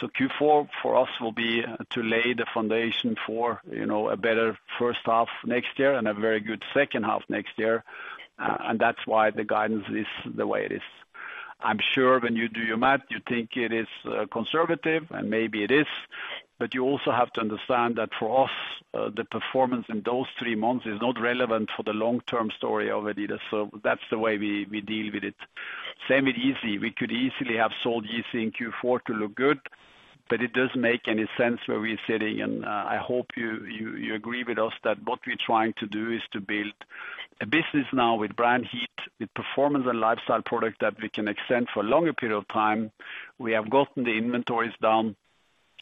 So Q4, for us, will be to lay the foundation for, you know, a better first half next year and a very good second half next year. And that's why the guidance is the way it is. I'm sure when you do your math, you think it is conservative, and maybe it is, but you also have to understand that for us, the performance in those three months is not relevant for the long-term story of adidas. So that's the way we deal with it. Same with Yeezy. We could easily have sold Yeezy in Q4 to look good, but it doesn't make any sense where we're sitting, and I hope you agree with us that what we're trying to do is to build a business now with brand heat, with performance and lifestyle product that we can extend for a longer period of time. We have gotten the inventories down.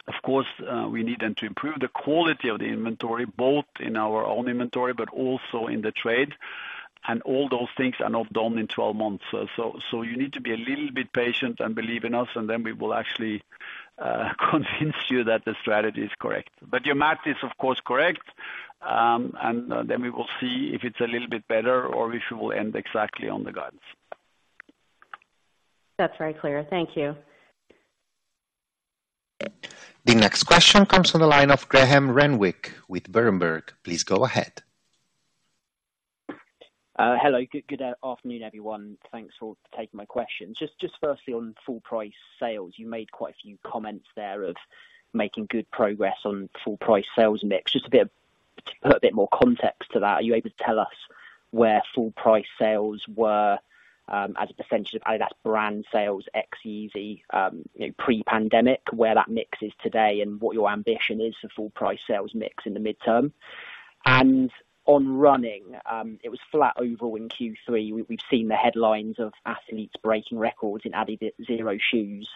Of course, we need them to improve the quality of the inventory, both in our own inventory but also in the trade, and all those things are not done in 12 months. So you need to be a little bit patient and believe in us, and then we will actually convince you that the strategy is correct. But your math is of course correct, and then we will see if it's a little bit better or if we will end exactly on the guides. That's very clear. Thank you. The next question comes from the line of Graham Renwick with Berenberg. Please go ahead. Hello, good afternoon, everyone. Thanks for taking my questions. Just firstly, on full price sales, you made quite a few comments there of making good progress on full price sales mix. Just to be a bit, put a bit more context to that, are you able to tell us where full price sales were as a percentage of either that's brand sales, Yeezy, pre-pandemic, where that mix is today and what your ambition is for full price sales mix in the midterm? And on running, it was flat overall in Q3. We've seen the headlines of athletes breaking records in Adizero shoes.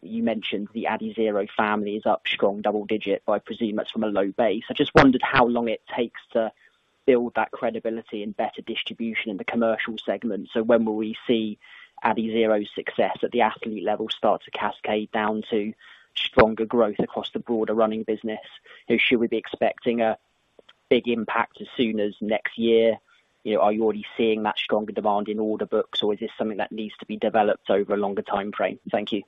You mentioned the Adizero family is up strong, double digit, but I presume that's from a low base. I just wondered how long it takes to build that credibility and better distribution in the commercial segment. So when will we see Adizero's success at the athlete level start to cascade down to stronger growth across the broader running business? And should we be expecting a big impact as soon as next year? You know, are you already seeing that stronger demand in order books, or is this something that needs to be developed over a longer timeframe? Thank you.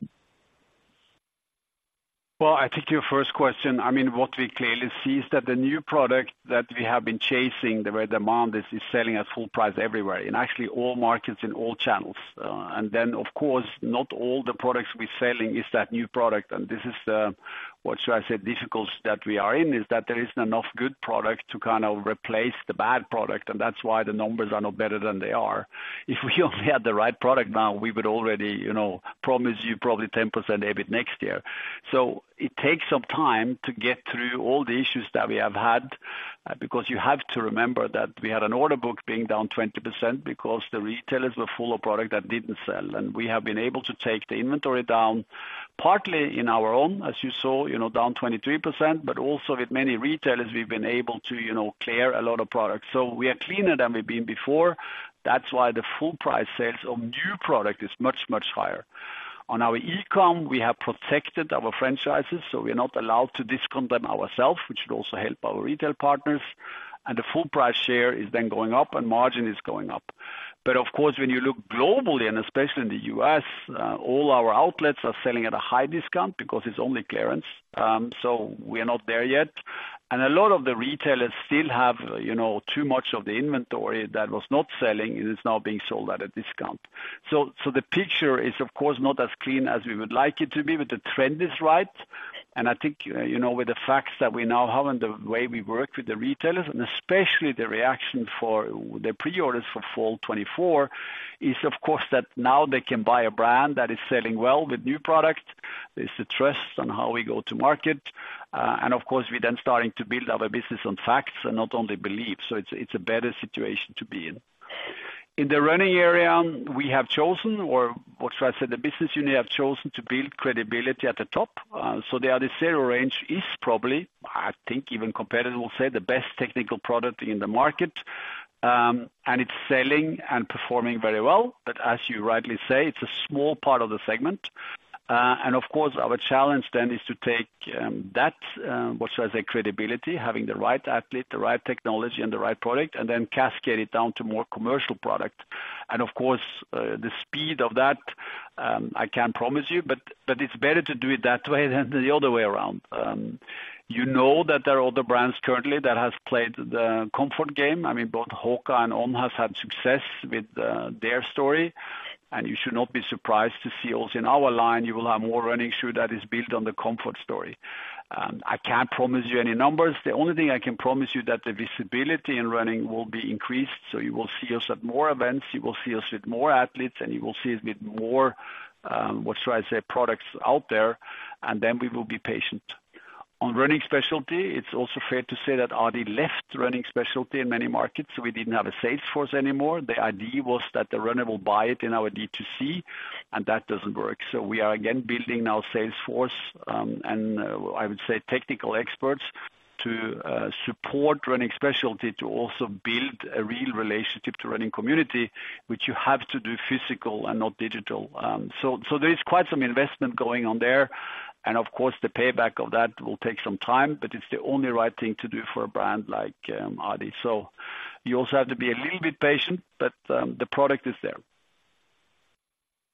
Well, I think your first question, I mean, what we clearly see is that the new product that we have been chasing, the real demand, is selling at full price everywhere, in actually all markets, in all channels. And then, of course, not all the products we're selling is that new product, and this is the, what should I say, difficulties that we are in, is that there isn't enough good product to kind of replace the bad product, and that's why the numbers are not better than they are. If we only had the right product now, we would already, you know, promise you probably 10% EBIT next year. So it takes some time to get through all the issues that we have had, because you have to remember that we had an order book being down 20% because the retailers were full of product that didn't sell. And we have been able to take the inventory down, partly in our own, as you saw, you know, down 23%, but also with many retailers, we've been able to, you know, clear a lot of products. So we are cleaner than we've been before. That's why the full price sales of new product is much, much higher. On our e-com, we have protected our franchises, so we are not allowed to discount them ourselves, which should also help our retail partners. And the full price share is then going up, and margin is going up. But of course, when you look globally, and especially in the U.S., all our outlets are selling at a high discount because it's only clearance. So we are not there yet. And a lot of the retailers still have, you know, too much of the inventory that was not selling and is now being sold at a discount. So the picture is, of course, not as clean as we would like it to be, but the trend is right. And I think, you know, with the facts that we now have and the way we work with the retailers, and especially the reaction for the pre-orders for Fall 2024, is, of course, that now they can buy a brand that is selling well with new product. There's the trust on how we go to market, and of course, we're then starting to build our business on facts and not only belief, so it's a better situation to be in. In the running area, we have chosen, or what should I say, the business unit have chosen to build credibility at the top. So the Adizero range is probably, I think even competitive, will say, the best technical product in the market, and it's selling and performing very well. But as you rightly say, it's a small part of the segment. And of course, our challenge then is to take that, what should I say, credibility, having the right athlete, the right technology and the right product, and then cascade it down to more commercial product. And of course, the speed of that, I can't promise you, but, but it's better to do it that way than the other way around. You know that there are other brands currently that has played the comfort game. I mean, both HOKA and On has had success with, their story, and you should not be surprised to see also in our line, you will have more running shoe that is built on the comfort story. I can't promise you any numbers. The only thing I can promise you that the visibility in running will be increased, so you will see us at more events, you will see us with more athletes, and you will see us with more, what should I say, products out there, and then we will be patient. On running specialty, it's also fair to say that Adi left running specialty in many markets, so we didn't have a sales force anymore. The idea was that the runner will buy it in our D2C, and that doesn't work. So we are again building our sales force, and I would say, technical experts to support running specialty, to also build a real relationship to running community, which you have to do physical and not digital. So, so there is quite some investment going on there, and of course, the payback of that will take some time, but it's the only right thing to do for a brand like Adi. So you also have to be a little bit patient, but the product is there.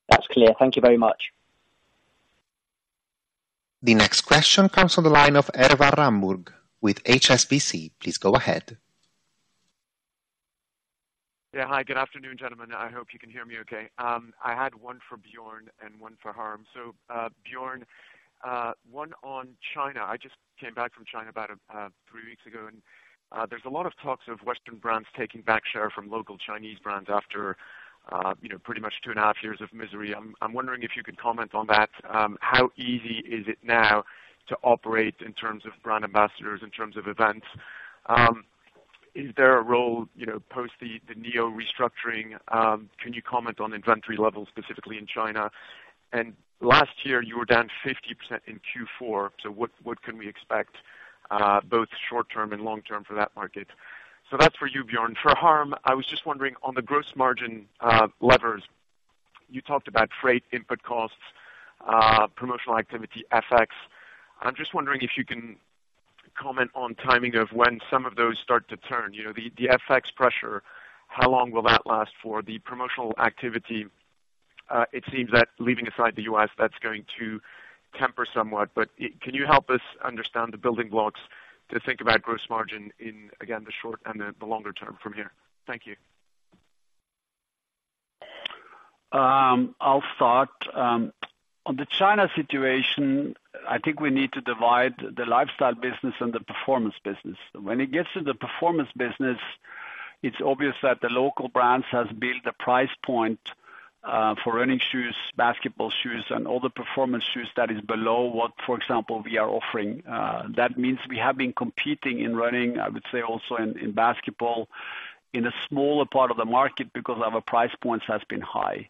That's clear. Thank you very much. The next question comes from the line of Erwan Rambourg with HSBC. Please go ahead. Yeah. Hi, good afternoon, gentlemen. I hope you can hear me okay. I had one for Bjørn and one for Harm. So, Bjørn, one on China. I just came back from China about three weeks ago, and there's a lot of talks of Western brands taking back share from local Chinese brands after, you know, pretty much two and a half years of misery. I'm wondering if you could comment on that. How easy is it now to operate in terms of brand ambassadors, in terms of events? Is there a role, you know, post the Yeezy restructuring? Can you comment on inventory levels, specifically in China? And last year you were down 50% in Q4, so what can we expect both short term and long term for that market? So that's for you, Bjørn. For Harm, I was just wondering, on the gross margin, levers, you talked about freight input costs, promotional activity, FX. I'm just wondering if you can comment on timing of when some of those start to turn. You know, the, the FX pressure, how long will that last for? The promotional activity, it seems that leaving aside the U.S., that's going to temper somewhat, but can you help us understand the building blocks to think about gross margin in, again, the short and the, the longer term from here? Thank you. I'll start. On the China situation, I think we need to divide the lifestyle business and the performance business. When it gets to the performance business, it's obvious that the local brands has built a price point for running shoes, basketball shoes and all the performance shoes that is below what, for example, we are offering. That means we have been competing in running, I would say also in, in basketball, in a smaller part of the market because our price points has been high.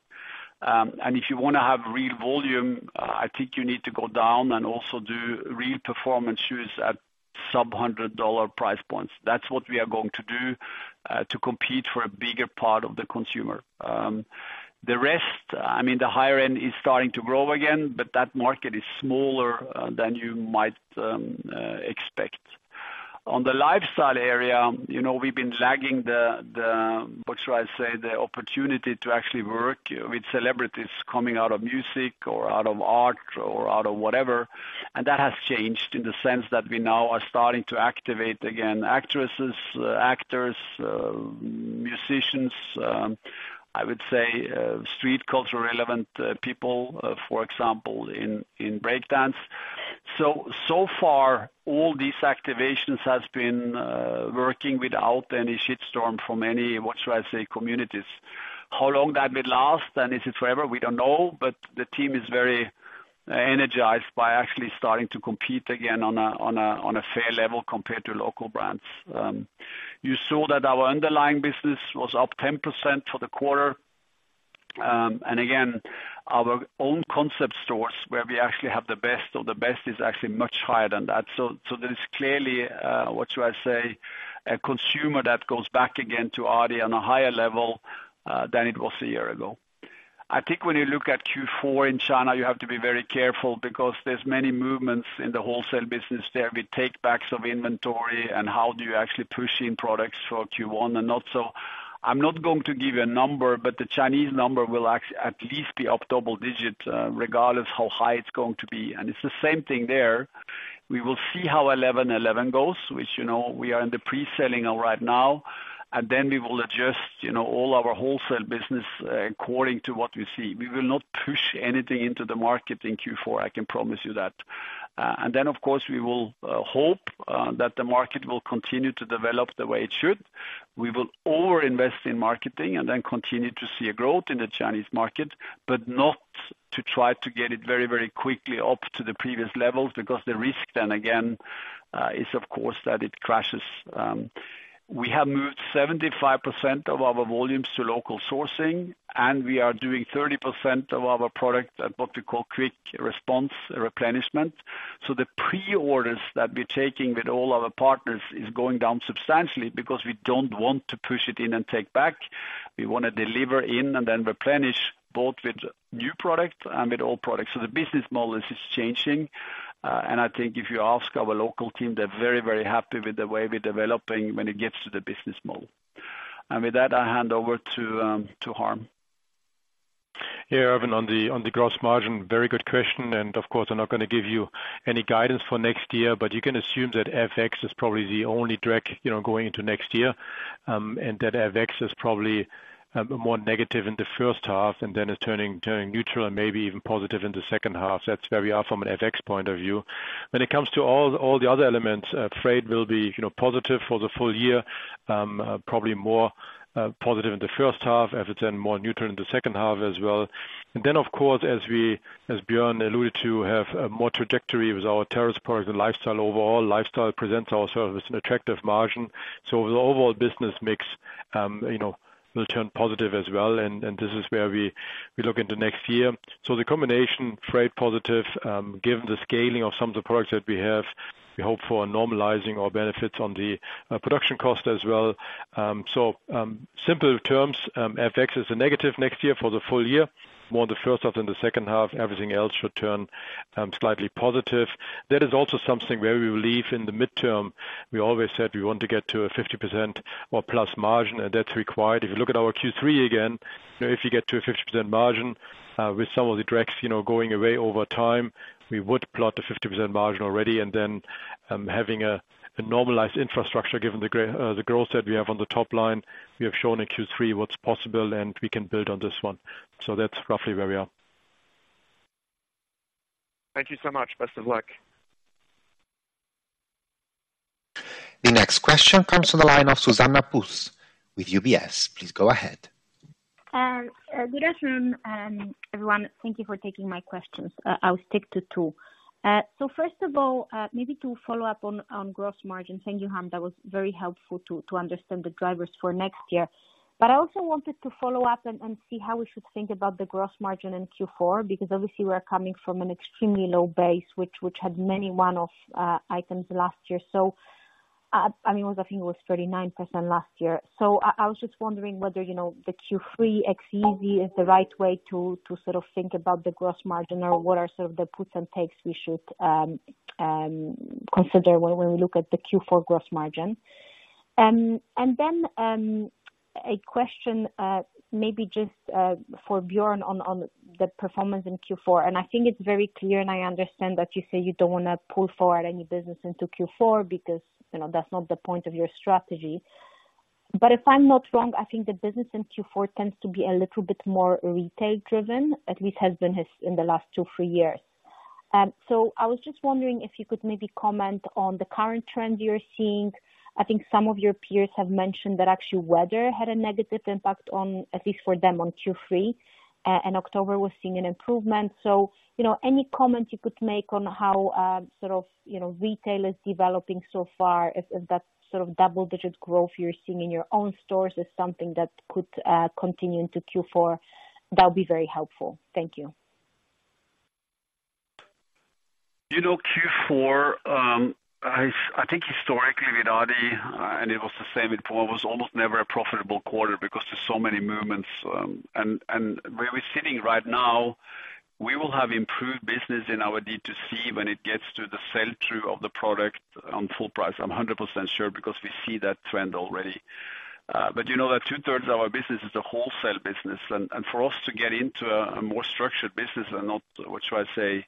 And if you want to have real volume, I think you need to go down and also do real performance shoes at sub-$100 price points. That's what we are going to do to compete for a bigger part of the consumer. The rest, I mean, the higher end is starting to grow again, but that market is smaller than you might expect. On the lifestyle area, you know, we've been lagging the, the, what should I say, the opportunity to actually work with celebrities coming out of music or out of art or out of whatever, and that has changed in the sense that we now are starting to activate again, actresses, actors, musicians, I would say, street culture-relevant people, for example, in break dance. So far, all these activations has been working without any shitstorm from any, what should I say, communities. How long that will last, and is it forever? We don't know, but the team is very energized by actually starting to compete again on a fair level compared to local brands. You saw that our underlying business was up 10% for the quarter. And again, our own concept stores, where we actually have the best of the best, is actually much higher than that. So, so there is clearly, what should I say, a consumer that goes back again to adidas on a higher level, than it was a year ago. I think when you look at Q4 in China, you have to be very careful because there's many movements in the wholesale business there, with takebacks of inventory and how do you actually push in products for Q1 and not so.... I'm not going to give you a number, but the Chinese number will actually at least be up double digits, regardless how high it's going to be. And it's the same thing there. We will see how 11.11 goes, which, you know, we are in the pre-selling right now, and then we will adjust, you know, all our wholesale business according to what we see. We will not push anything into the market in Q4, I can promise you that. And then, of course, we will hope that the market will continue to develop the way it should. We will over-invest in marketing and then continue to see a growth in the Chinese market, but not to try to get it very, very quickly up to the previous levels, because the risk then again is of course that it crashes. We have moved 75% of our volumes to local sourcing, and we are doing 30% of our product at what we call quick response replenishment. So the pre-orders that we're taking with all our partners is going down substantially because we don't want to push it in and take back. We want to deliver in and then replenish both with new product and with old products. So the business model is just changing, and I think if you ask our local team, they're very, very happy with the way we're developing when it gets to the business model. And with that, I hand over to Harm. Yeah, Erwan, on the, on the gross margin, very good question, and of course, I'm not gonna give you any guidance for next year, but you can assume that FX is probably the only drag, you know, going into next year. And that FX is probably more negative in the first half, and then it's turning, turning neutral and maybe even positive in the second half. That's where we are from an FX point of view. When it comes to all, all the other elements, freight will be, you know, positive for the full year, probably more positive in the first half, and then more neutral in the second half as well. And then, of course, as we, as Bjørn alluded to, have a more trajectory with our Terrace product and lifestyle. Overall, lifestyle presents ourselves with an attractive margin. So the overall business mix, you know, will turn positive as well, and this is where we look into next year. So the combination, freight positive, given the scaling of some of the products that we have, we hope for a normalizing our benefits on the production cost as well. So, simple terms, FX is a negative next year for the full year, more the first half than the second half. Everything else should turn slightly positive. That is also something where we believe in the midterm, we always said we want to get to a 50% or plus margin, and that's required. If you look at our Q3 again, you know, if you get to a 50% margin with some of the drags, you know, going away over time, we would plot a 50% margin already, and then, having a normalized infrastructure given the growth that we have on the top line, we have shown in Q3 what's possible, and we can build on this one. So that's roughly where we are. Thank you so much. Best of luck. The next question comes from the line of Zuzanna Pusz with UBS. Please go ahead. Good afternoon, everyone. Thank you for taking my questions. I'll stick to two. So first of all, maybe to follow up on gross margins. Thank you, Harm. That was very helpful to understand the drivers for next year. But I also wanted to follow up and see how we should think about the gross margin in Q4, because obviously we're coming from an extremely low base which had many one-off items last year. So I mean, it was, I think, 39% last year. So I was just wondering whether, you know, the Q3 FX is the right way to sort of think about the gross margin or what are sort of the puts and takes we should consider when we look at the Q4 gross margin? And then a question, maybe just for Bjørn on the performance in Q4. And I think it's very clear, and I understand that you say you don't wanna pull forward any business into Q4 because, you know, that's not the point of your strategy. But if I'm not wrong, I think the business in Q4 tends to be a little bit more retail-driven, at least has been as in the last two, three years. So I was just wondering if you could maybe comment on the current trend you're seeing. I think some of your peers have mentioned that actually, weather had a negative impact on, at least for them, on Q3, and October was seeing an improvement. You know, any comments you could make on how, sort of, you know, retail is developing so far, if that's sort of double-digit growth you're seeing in your own stores is something that could continue into Q4? That would be very helpful. Thank you. You know, Q4, I think historically with adi, and it was the same in Puma, it was almost never a profitable quarter because there's so many movements. And where we're sitting right now, we will have improved business in our D2C when it gets to the sell-through of the product on full price. I'm 100% sure, because we see that trend already. But you know that 2/3 of our business is a wholesale business, and for us to get into a more structured business and not, what should I say,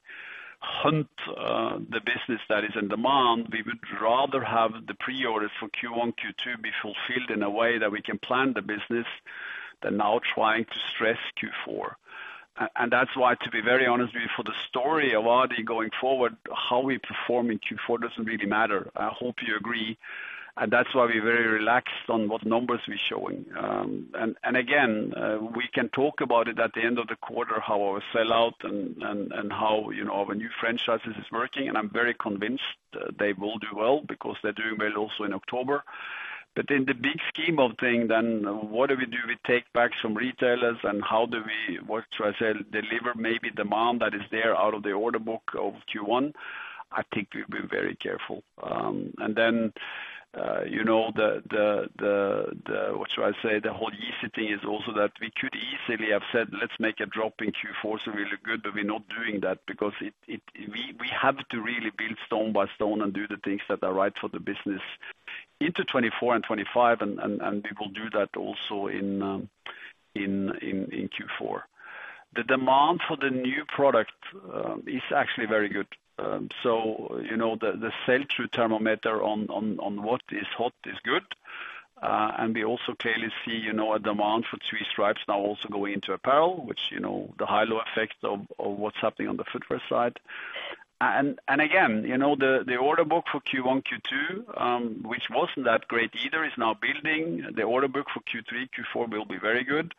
hunt the business that is in demand, we would rather have the pre-orders for Q1, Q2 be fulfilled in a way that we can plan the business than now trying to stress Q4. And that's why, to be very honest with you, for the story of adi going forward, how we perform in Q4 doesn't really matter. I hope you agree, and that's why we're very relaxed on what numbers we're showing. And again, we can talk about it at the end of the quarter, how our sell out and how, you know, our new franchises is working, and I'm very convinced they will do well because they're doing well also in October. But in the big scheme of things, then what do we do? We take back some retailers, and how do we, what should I say, deliver maybe demand that is there out of the order book of Q1? I think we've been very careful. And then, you know, the, what should I say? The whole year-... is also that we could easily have said, let's make a drop in Q4 so we look good, but we're not doing that because we have to really build stone by stone and do the things that are right for the business into 2024 and 2025, and we will do that also in Q4. The demand for the new product is actually very good. So, you know, the sell-through thermometer on what is hot is good. And we also clearly see, you know, a demand for Three Stripes now also going into apparel, which, you know, the halo effect of what's happening on the footwear side. And again, you know, the order book for Q1, Q2, which wasn't that great either, is now building. The order book for Q3, Q4 will be very good.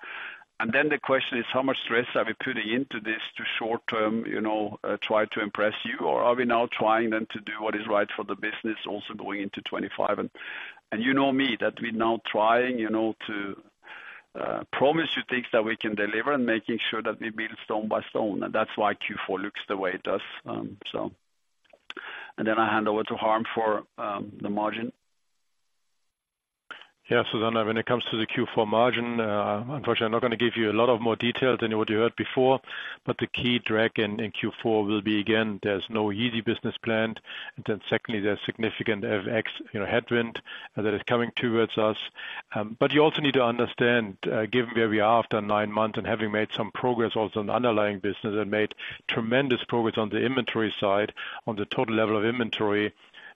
And then the question is, how much stress are we putting into this to short-term, you know, try to impress you? Or are we now trying then to do what is right for the business, also going into 25? And, and you know me, that we're now trying, you know, to promise you things that we can deliver and making sure that we build stone by stone. And that's why Q4 looks the way it does, so. And then I hand over to Harm for the margin. Yeah, so then when it comes to the Q4 margin, unfortunately, I'm not going to give you a lot of more detail than what you heard before, but the key drag in, in Q4 will be, again, there's no easy business planned. And then secondly, there's significant FX, you know, headwind that is coming towards us. But you also need to understand, given where we are after nine months and having made some progress also on the underlying business and made tremendous progress on the inventory side, on the total level of inventory.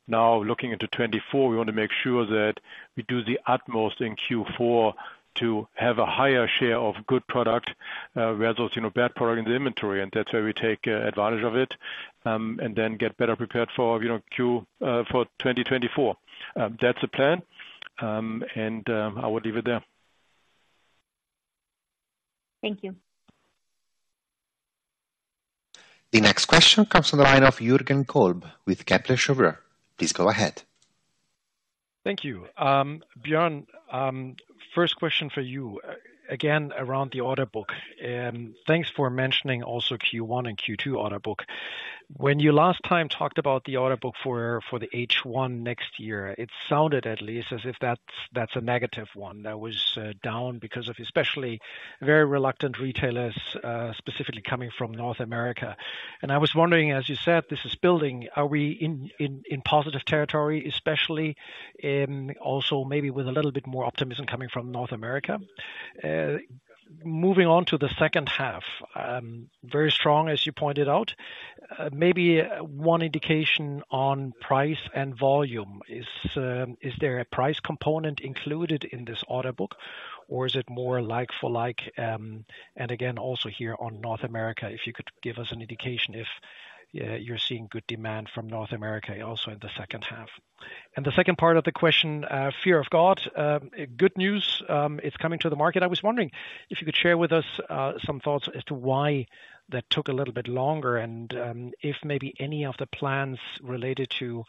Now, looking into 2024, we want to make sure that we do the utmost in Q4 to have a higher share of good product, rather those, you know, bad product in the inventory, and that's where we take advantage of it, and then get better prepared for, you know, Q for 2024. That's the plan, and I will leave it there. Thank you. The next question comes from the line of Jürgen Kolb with Kepler Cheuvreux. Please go ahead. Thank you. Bjørn, first question for you, again, around the order book, and thanks for mentioning also Q1 and Q2 order book. When you last time talked about the order book for the H1 next year, it sounded at least as if that's a negative one that was down because of especially very reluctant retailers, specifically coming from North America. And I was wondering, as you said, this is building. Are we in positive territory, especially, also maybe with a little bit more optimism coming from North America? Moving on to the second half, very strong, as you pointed out. Maybe one indication on price and volume. Is, is there a price component included in this order book, or is it more like for like, and again, also here on North America, if you could give us an indication if, you're seeing good demand from North America also in the second half. And the second part of the question, Fear of God, good news, it's coming to the market. I was wondering if you could share with us, some thoughts as to why that took a little bit longer, and, if maybe any of the plans related to,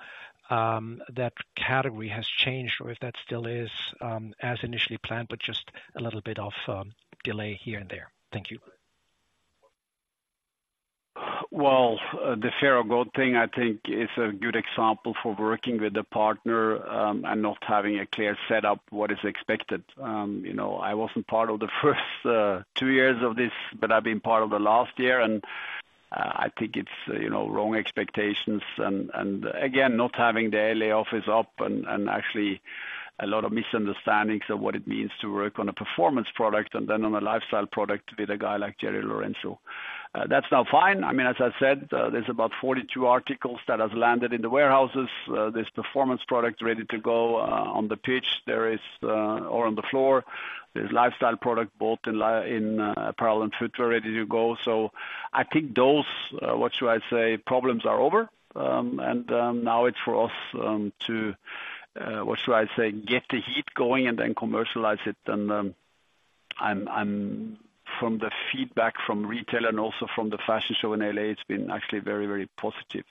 that category has changed, or if that still is, as initially planned, but just a little bit of, delay here and there. Thank you. Well, the Fear of God thing, I think is a good example for working with a partner, and not having a clear set up what is expected. You know, I wasn't part of the first two years of this, but I've been part of the last year, and I think it's, you know, wrong expectations. And again, not having the L.A. office up and actually a lot of misunderstandings of what it means to work on a performance product and then on a lifestyle product with a guy like Jerry Lorenzo. That's now fine. I mean, as I said, there's about 42 articles that has landed in the warehouses. There's performance products ready to go, on the pitch or on the floor. There's lifestyle product, both in apparel and footwear, ready to go. So I think those problems are over. And now it's for us to get the heat going and then commercialize it. And from the feedback from retail and also from the fashion show in LA, it's been actually very, very positive.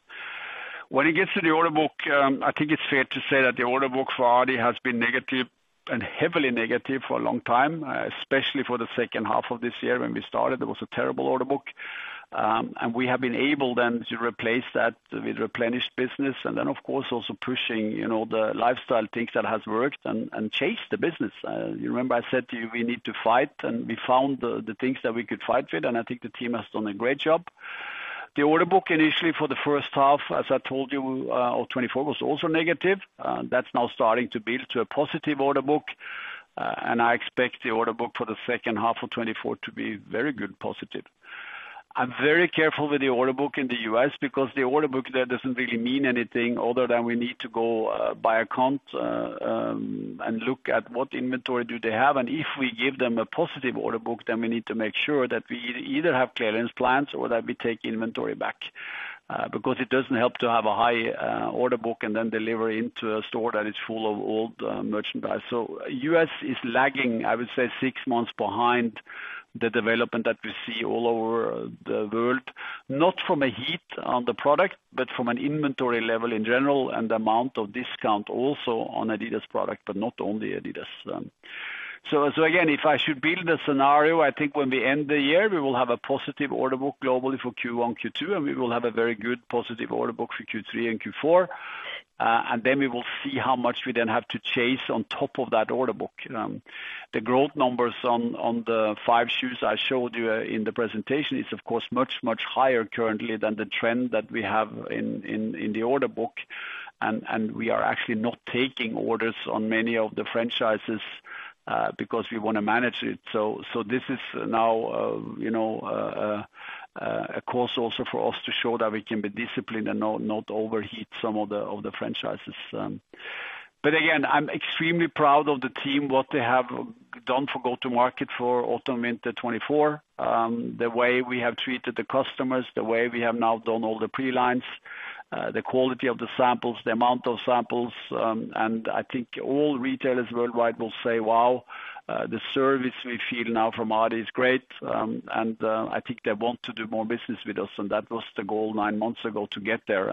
When it gets to the order book, I think it's fair to say that the order book for Adi has been negative and heavily negative for a long time, especially for the second half of this year. When we started, there was a terrible order book, and we have been able then to replace that with replenished business and then, of course, also pushing, you know, the lifestyle things that has worked and changed the business. You remember I said to you, we need to fight, and we found the things that we could fight with, and I think the team has done a great job. The order book, initially for the first half, as I told you, of 2024, was also negative. That's now starting to build to a positive order book. And I expect the order book for the second half of 2024 to be very good, positive. I'm very careful with the order book in the U.S. because the order book there doesn't really mean anything other than we need to go by account and look at what inventory do they have, and if we give them a positive order book, then we need to make sure that we either have clearance plans or that we take inventory back. Because it doesn't help to have a high order book and then deliver into a store that is full of old merchandise. So U.S. is lagging, I would say, six months behind the development that we see all over the world, not from a heat on the product, but from an inventory level in general, and the amount of discount also on adidas product, but not only adidas. So, so again, if I should build a scenario, I think when we end the year, we will have a positive order book globally for Q1, Q2, and we will have a very good positive order book for Q3 and Q4, and then we will see how much we then have to chase on top of that order book. The growth numbers on the five shoes I showed you in the presentation is, of course, much, much higher currently than the trend that we have in the order book. And we are actually not taking orders on many of the franchises because we want to manage it. So this is now, you know, a course also for us to show that we can be disciplined and not overheat some of the franchises. But again, I'm extremely proud of the team, what they have done for go-to-market for Autumn/Winter 2024. The way we have treated the customers, the way we have now done all the pre-lines, the quality of the samples, the amount of samples. I think all retailers worldwide will say, "Wow, the service we feel now from adidas is great." I think they want to do more business with us, and that was the goal nine months ago, to get there.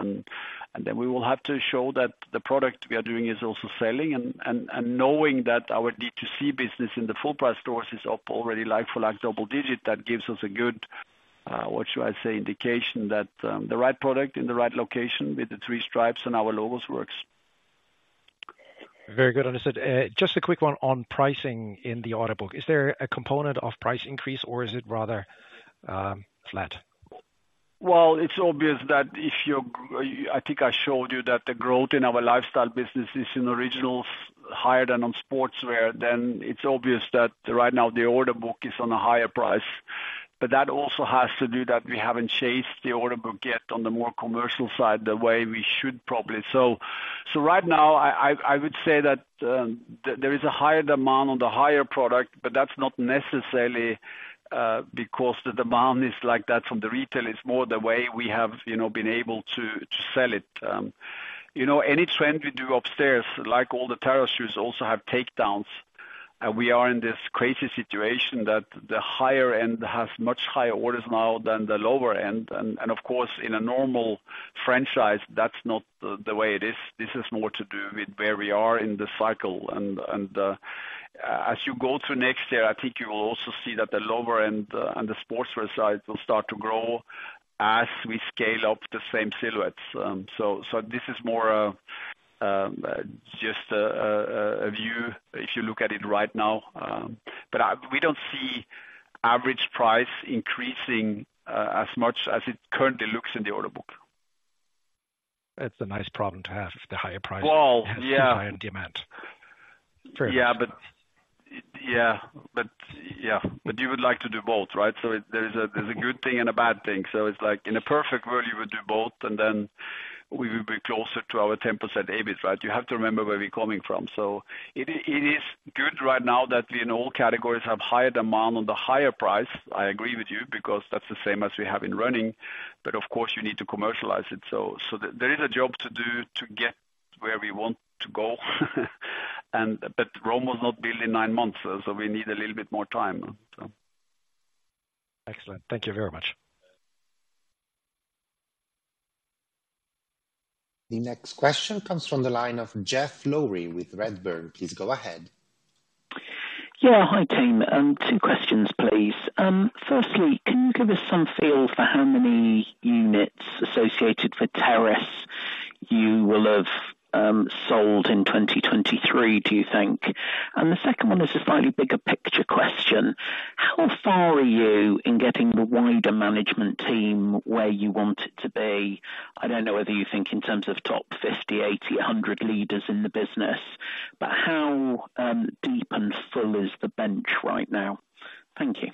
Then we will have to show that the product we are doing is also selling. Knowing that our D2C business in the full price stores is up already, like for like double digit, that gives us a good, what should I say, indication that the right product in the right location with the Three Stripes and our logos works. Very good, understood. Just a quick one on pricing in the order book. Is there a component of price increase or is it rather, flat? Well, it's obvious that if you're- I think I showed you that the growth in our lifestyle business is in Originals, higher than on Sportswear, then it's obvious that right now the order book is on a higher price. But that also has to do that we haven't chased the order book yet on the more commercial side, the way we should probably. So right now, I would say that there is a higher demand on the higher product, but that's not necessarily because the demand is like that from the retailer, it's more the way we have, you know, been able to sell it. You know, any trend we do upstairs, like all the terrace shoes, also have takedowns. And we are in this crazy situation that the higher end has much higher orders now than the lower end. Of course, in a normal franchise, that's not the way it is. This is more to do with where we are in the cycle. As you go through next year, I think you will also see that the lower end and the Sportswear side will start to grow as we scale up the same silhouettes. So this is more a just a view if you look at it right now, but we don't see average price increasing as much as it currently looks in the Order Book. That's a nice problem to have, the higher price- Well, yeah. Higher demand. Fair enough. Yeah, but you would like to do both, right? So there is a good thing and a bad thing. So it's like, in a perfect world, you would do both, and then we will be closer to our 10% EBIT, right? You have to remember where we're coming from. So it is good right now that we, in all categories, have higher demand on the higher price. I agree with you, because that's the same as we have in running. But of course, you need to commercialize it. So there is a job to do to get where we want to go. But Rome was not built in nine months, so we need a little bit more time. Excellent. Thank you very much. The next question comes from the line of Geoff Lowery with Redburn. Please go ahead. Yeah. Hi, team. two questions, please. Firstly, can you give us some feel for how many units associated for Terrace you will have sold in 2023, do you think? And the second one is a slightly bigger picture question: How far are you in getting the wider management team where you want it to be? I don't know whether you think in terms of top 50, 80, 100 leaders in the business, but how deep and full is the bench right now? Thank you.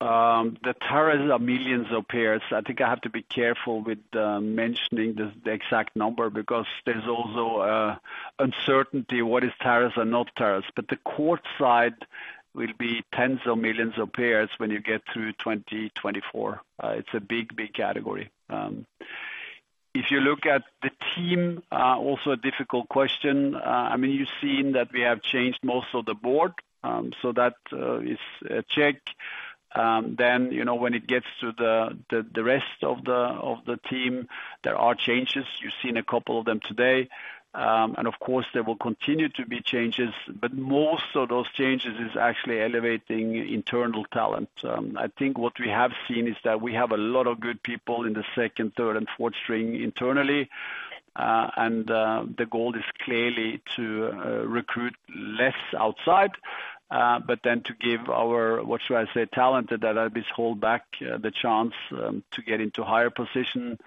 The terrace is millions of pairs. I think I have to be careful with mentioning the exact number, because there's also an uncertainty what is terrace or not terrace. But the court side will be tens of millions of pairs when you get through 2024. It's a big, big category. If you look at the team, also a difficult question. I mean, you've seen that we have changed most of the board, so that is a check. Then, you know, when it gets to the rest of the team, there are changes. You've seen a couple of them today. And of course, there will continue to be changes, but most of those changes is actually elevating internal talent. I think what we have seen is that we have a lot of good people in the second, third, and fourth string internally. And the goal is clearly to recruit less outside, but then to give our, what should I say, talent that I just hold back, the chance to get into higher position.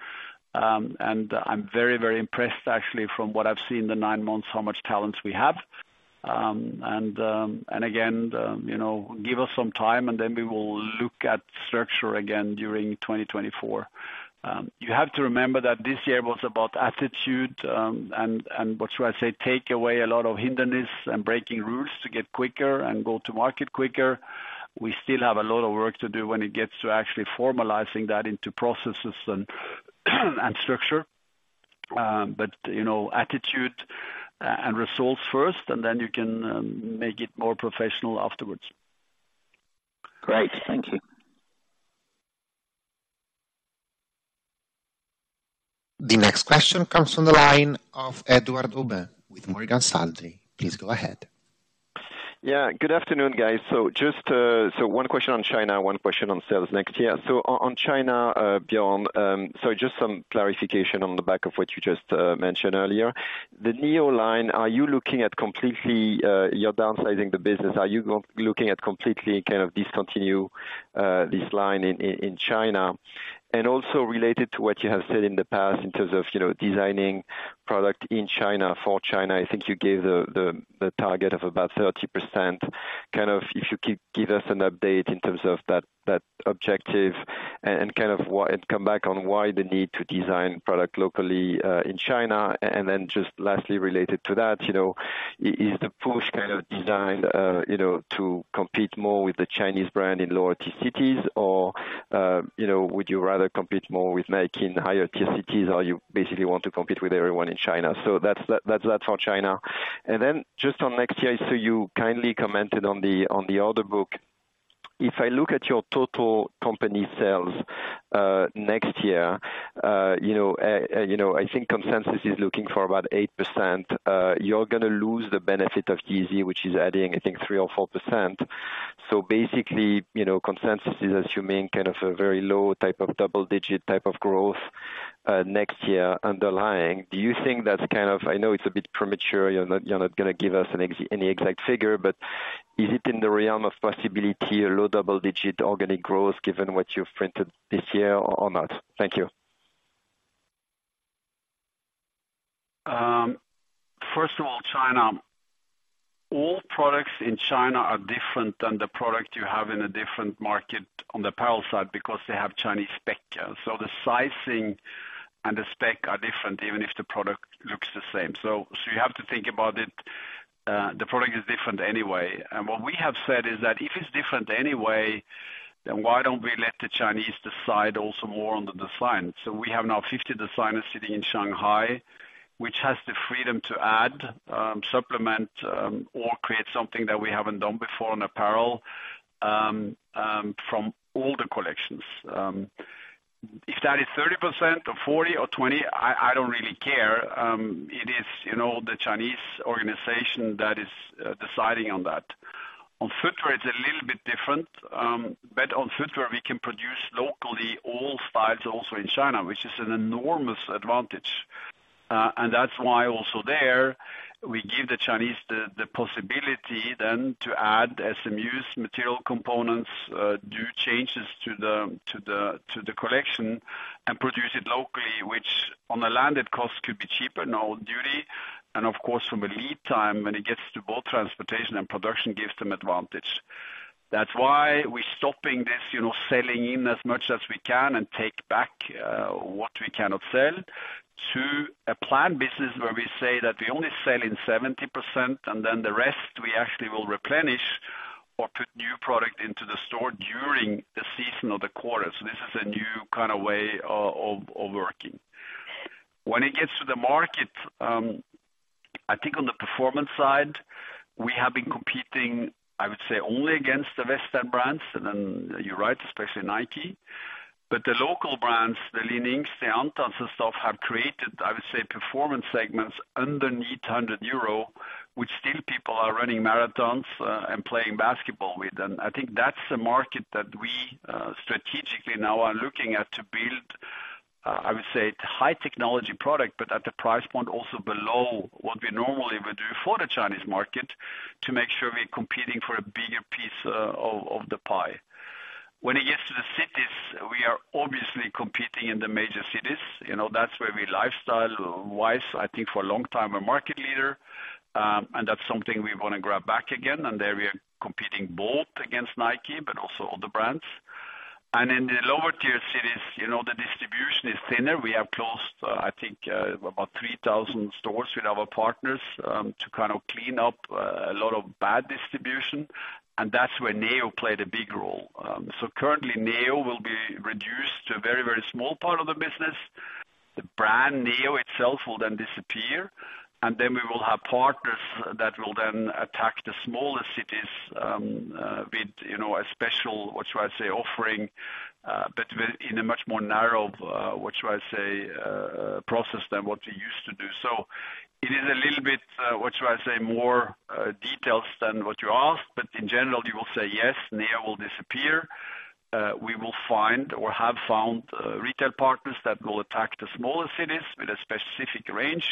And I'm very, very impressed, actually, from what I've seen, the nine months, how much talents we have. And again, you know, give us some time, and then we will look at structure again during 2024. You have to remember that this year was about attitude, and what should I say? Take away a lot of hindrances and breaking rules to get quicker and go to market quicker. We still have a lot of work to do when it gets to actually formalizing that into processes and structure. But you know, attitude and results first, and then you can make it more professional afterwards. Great. Thank you. The next question comes from the line of Edouard Aubin with Morgan Stanley. Please go ahead.... Yeah, good afternoon, guys. So just, so one question on China, one question on sales next year. So on, on China, Bjørn, so just some clarification on the back of what you just, mentioned earlier. The Neo line, are you looking at completely, you're downsizing the business, are you looking at completely kind of discontinue, this line in, in, in China? And also related to what you have said in the past, in terms of, you know, designing product in China for China, I think you gave the, the, the target of about 30%. Kind of, if you keep, give us an update in terms of that, that objective and, and kind of why and come back on why the need to design product locally, in China. And then just lastly, related to that, you know, is the push kind of designed, you know, to compete more with the Chinese brand in lower tier cities? Or, you know, would you rather compete more with Nike in higher tier cities, or you basically want to compete with everyone in China? So that's all for China. And then just on next year, so you kindly commented on the order book. If I look at your total company sales next year, you know, I think consensus is looking for about 8%. You're gonna lose the benefit of Yeezy, which is adding, I think, 3% or 4%. So basically, you know, consensus is assuming kind of a very low type of double-digit type of growth next year underlying. Do you think that's kind of, I know it's a bit premature, you're not, you're not gonna give us any exact figure, but is it in the realm of possibility, a low double digit organic growth, given what you've printed this year or, or not? Thank you. First of all, China. All products in China are different than the product you have in a different market on the apparel side, because they have Chinese spec. So the sizing and the spec are different, even if the product looks the same. So you have to think about it, the product is different anyway. And what we have said is that, if it's different anyway, then why don't we let the Chinese decide also more on the design? So we have now 50 designers sitting in Shanghai, which has the freedom to add, supplement, or create something that we haven't done before in apparel, from all the collections. If that is 30% or 40 or 20, I don't really care, it is, you know, the Chinese organization that is deciding on that. On footwear, it's a little bit different, but on footwear, we can produce locally all styles also in China, which is an enormous advantage. And that's why also there, we give the Chinese the possibility then to add SMUs, material components, do changes to the collection and produce it locally, which on the landed cost could be cheaper, no duty. And, of course, from a lead time, when it gets to both transportation and production, gives them advantage. That's why we're stopping this, you know, selling in as much as we can and take back what we cannot sell, to a planned business where we say that we only sell in 70%, and then the rest, we actually will replenish or put new product into the store during the season or the quarter. So this is a new kind of way of working. When it gets to the market, I think on the performance side, we have been competing, I would say, only against the Western brands, and then you're right, especially Nike. But the local brands, the Li-Nings, the Antas and stuff, have created, I would say, performance segments underneath 100 euro, which still people are running marathons and playing basketball with. And I think that's a market that we strategically now are looking at to build, I would say, high technology product, but at the price point, also below what we normally would do for the Chinese market, to make sure we're competing for a bigger piece of the pie. When it gets to the cities, we are obviously competing in the major cities, you know, that's where we, lifestyle wise, I think for a long time, a market leader. And that's something we want to grab back again, and there we are competing both against Nike, but also other brands. And in the lower tier cities, you know, the distribution is thinner. We have closed, I think, about 3,000 stores with our partners, to kind of clean up, a lot of bad distribution, and that's where Neo played a big role. So currently, Neo will be reduced to a very, very small part of the business. The brand, Neo itself, will then disappear, and then we will have partners that will then attack the smaller cities, with, you know, a special offering, but in a much more narrow process than what we used to do. So it is a little bit more details than what you asked, but in general, you will say, "Yes, Neo will disappear." We will find or have found retail partners that will attack the smaller cities with a specific range.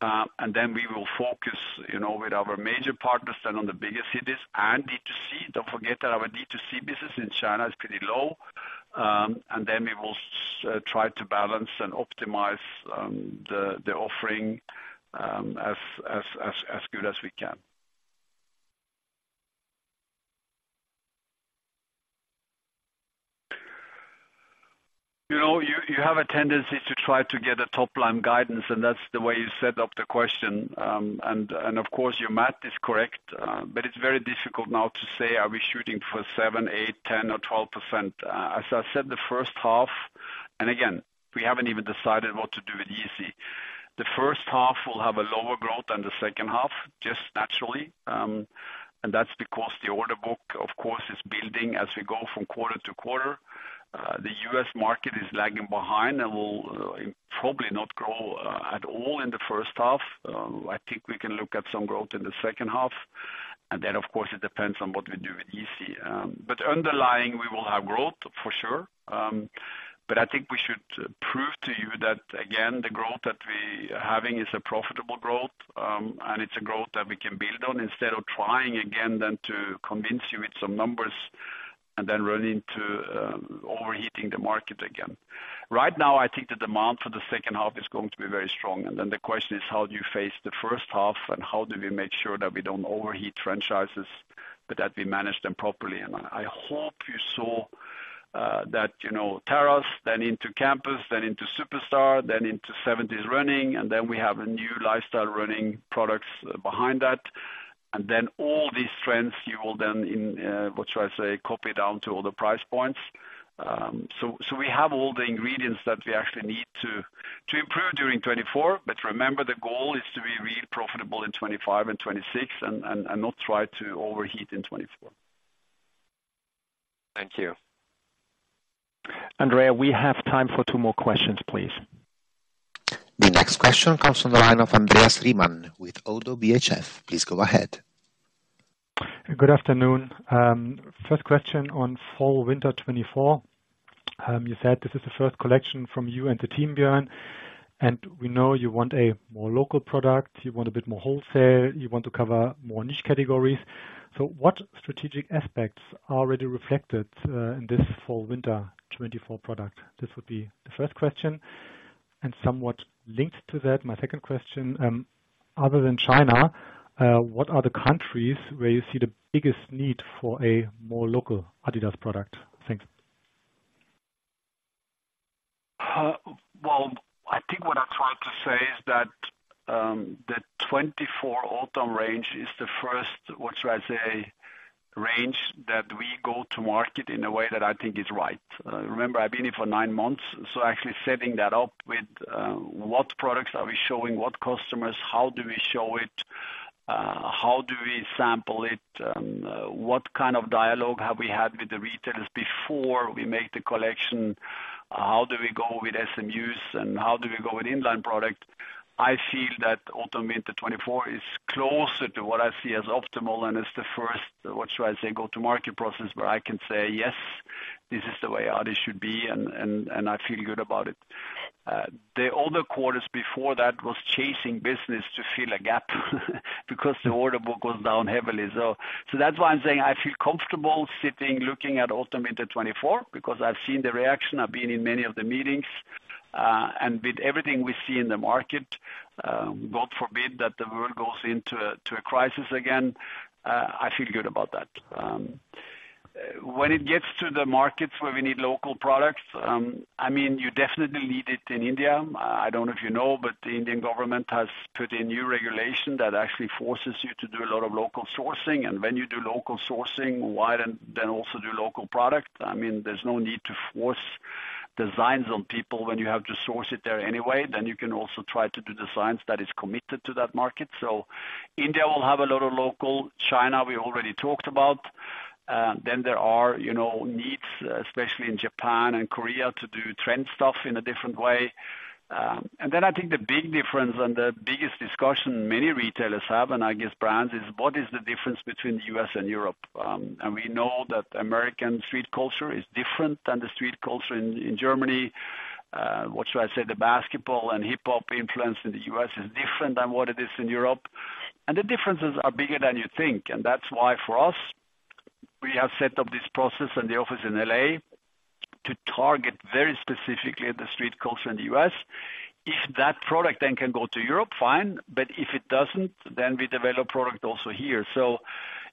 And then we will focus, you know, with our major partners than on the bigger cities and D2C. Don't forget that our D2C business in China is pretty low. We will try to balance and optimize the offering as good as we can. You know, you have a tendency to try to get a top-line guidance, and that's the way you set up the question. Of course your math is correct, but it's very difficult now to say, are we shooting for 7, 8, 10 or 12%? As I said, the first half... Again, we haven't even decided what to do with Yeezy. The first half will have a lower growth than the second half, just naturally. That's because the order book, of course, is building as we go from quarter to quarter. The U.S. market is lagging behind and will probably not grow at all in the first half. I think we can look at some growth in the second half. And then, of course, it depends on what we do with Yeezy. But underlying, we will have growth, for sure. But I think we should prove to you that, again, the growth that we are having is a profitable growth, and it's a growth that we can build on, instead of trying again then to convince you with some numbers and then run into overheating the market again. Right now, I think the demand for the second half is going to be very strong, and then the question is: how do you face the first half, and how do we make sure that we don't overheat franchises, but that we manage them properly? I hope you saw that, you know, TERREX, then into Campus, then into Superstar, then into Seventies Running, and then we have a new lifestyle running products behind that. And then all these trends, you will then in what should I say, copy down to all the price points. So, we have all the ingredients that we actually need to improve during 2024. But remember, the goal is to be really profitable in 2025 and 2026 and not try to overheat in 2024. Thank you. Andrea, we have time for two more questions, please. The next question comes from the line of Andreas Riemann with Oddo BHF. Please go ahead. Good afternoon. First question on Fall/Winter 2024. You said this is the first collection from you and the team, Bjørn, and we know you want a more local product, you want a bit more wholesale, you want to cover more niche categories. So what strategic aspects are already reflected in this Fall/Winter 2024 product? This would be the first question. And somewhat linked to that, my second question: other than China, what are the countries where you see the biggest need for a more local adidas product? Thanks. Well, I think what I tried to say is that, the 2024 autumn range is the first, what should I say, range that we go to market in a way that I think is right. Remember, I've been here for nine months, so actually setting that up with, what products are we showing, what customers, how do we show it, how do we sample it? What kind of dialogue have we had with the retailers before we make the collection? How do we go with SMUs, and how do we go with in-line product? I feel that Autumn/Winter 2024 is closer to what I see as optimal, and it's the first, what should I say, go-to-market process, where I can say, "Yes, this is the way adidas should be," and, and, and I feel good about it. The other quarters before that was chasing business to fill a gap, because the order book goes down heavily. So, so that's why I'm saying I feel comfortable sitting, looking at Autumn/Winter 2024, because I've seen the reaction, I've been in many of the meetings, and with everything we see in the market, God forbid that the world goes into a, to a crisis again, I feel good about that. When it gets to the markets where we need local products, I mean, you definitely need it in India. I don't know if you know, but the Indian government has put a new regulation that actually forces you to do a lot of local sourcing, and when you do local sourcing, why then, then also do local product? I mean, there's no need to force designs on people when you have to source it there anyway. Then you can also try to do designs that is committed to that market. So India will have a lot of local. China, we already talked about. Then there are, you know, needs, especially in Japan and Korea, to do trend stuff in a different way. And then I think the big difference and the biggest discussion many retailers have, and I guess brands, is what is the difference between the U.S. and Europe? And we know that American street culture is different than the street culture in Germany. What should I say? The basketball and hip-hop influence in the U.S. is different than what it is in Europe. The differences are bigger than you think, and that's why, for us, we have set up this process and the office in L.A. to target very specifically the street culture in the U.S. If that product then can go to Europe, fine, but if it doesn't, then we develop product also here. So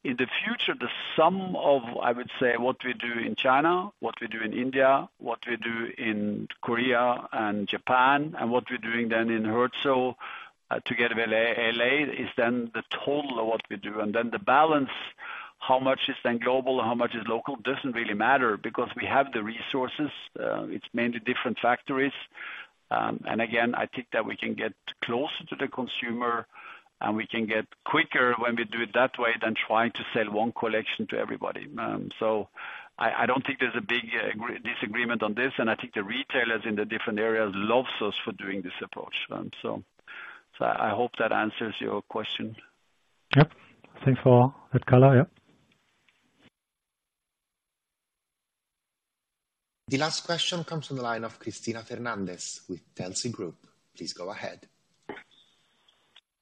in the future, the sum of, I would say, what we do in China, what we do in India, what we do in Korea and Japan, and what we're doing then in Herzogenaurach, together with L.A., L.A. is then the total of what we do. And then the balance, how much is then global and how much is local, doesn't really matter because we have the resources. It's mainly different factories. And again, I think that we can get closer to the consumer, and we can get quicker when we do it that way than trying to sell one collection to everybody. So I don't think there's a big disagreement on this, and I think the retailers in the different areas loves us for doing this approach. So I hope that answers your question. Yep. Thanks for that color, yep. The last question comes from the line of Cristina Fernandez with Telsey Advisory Group. Please go ahead.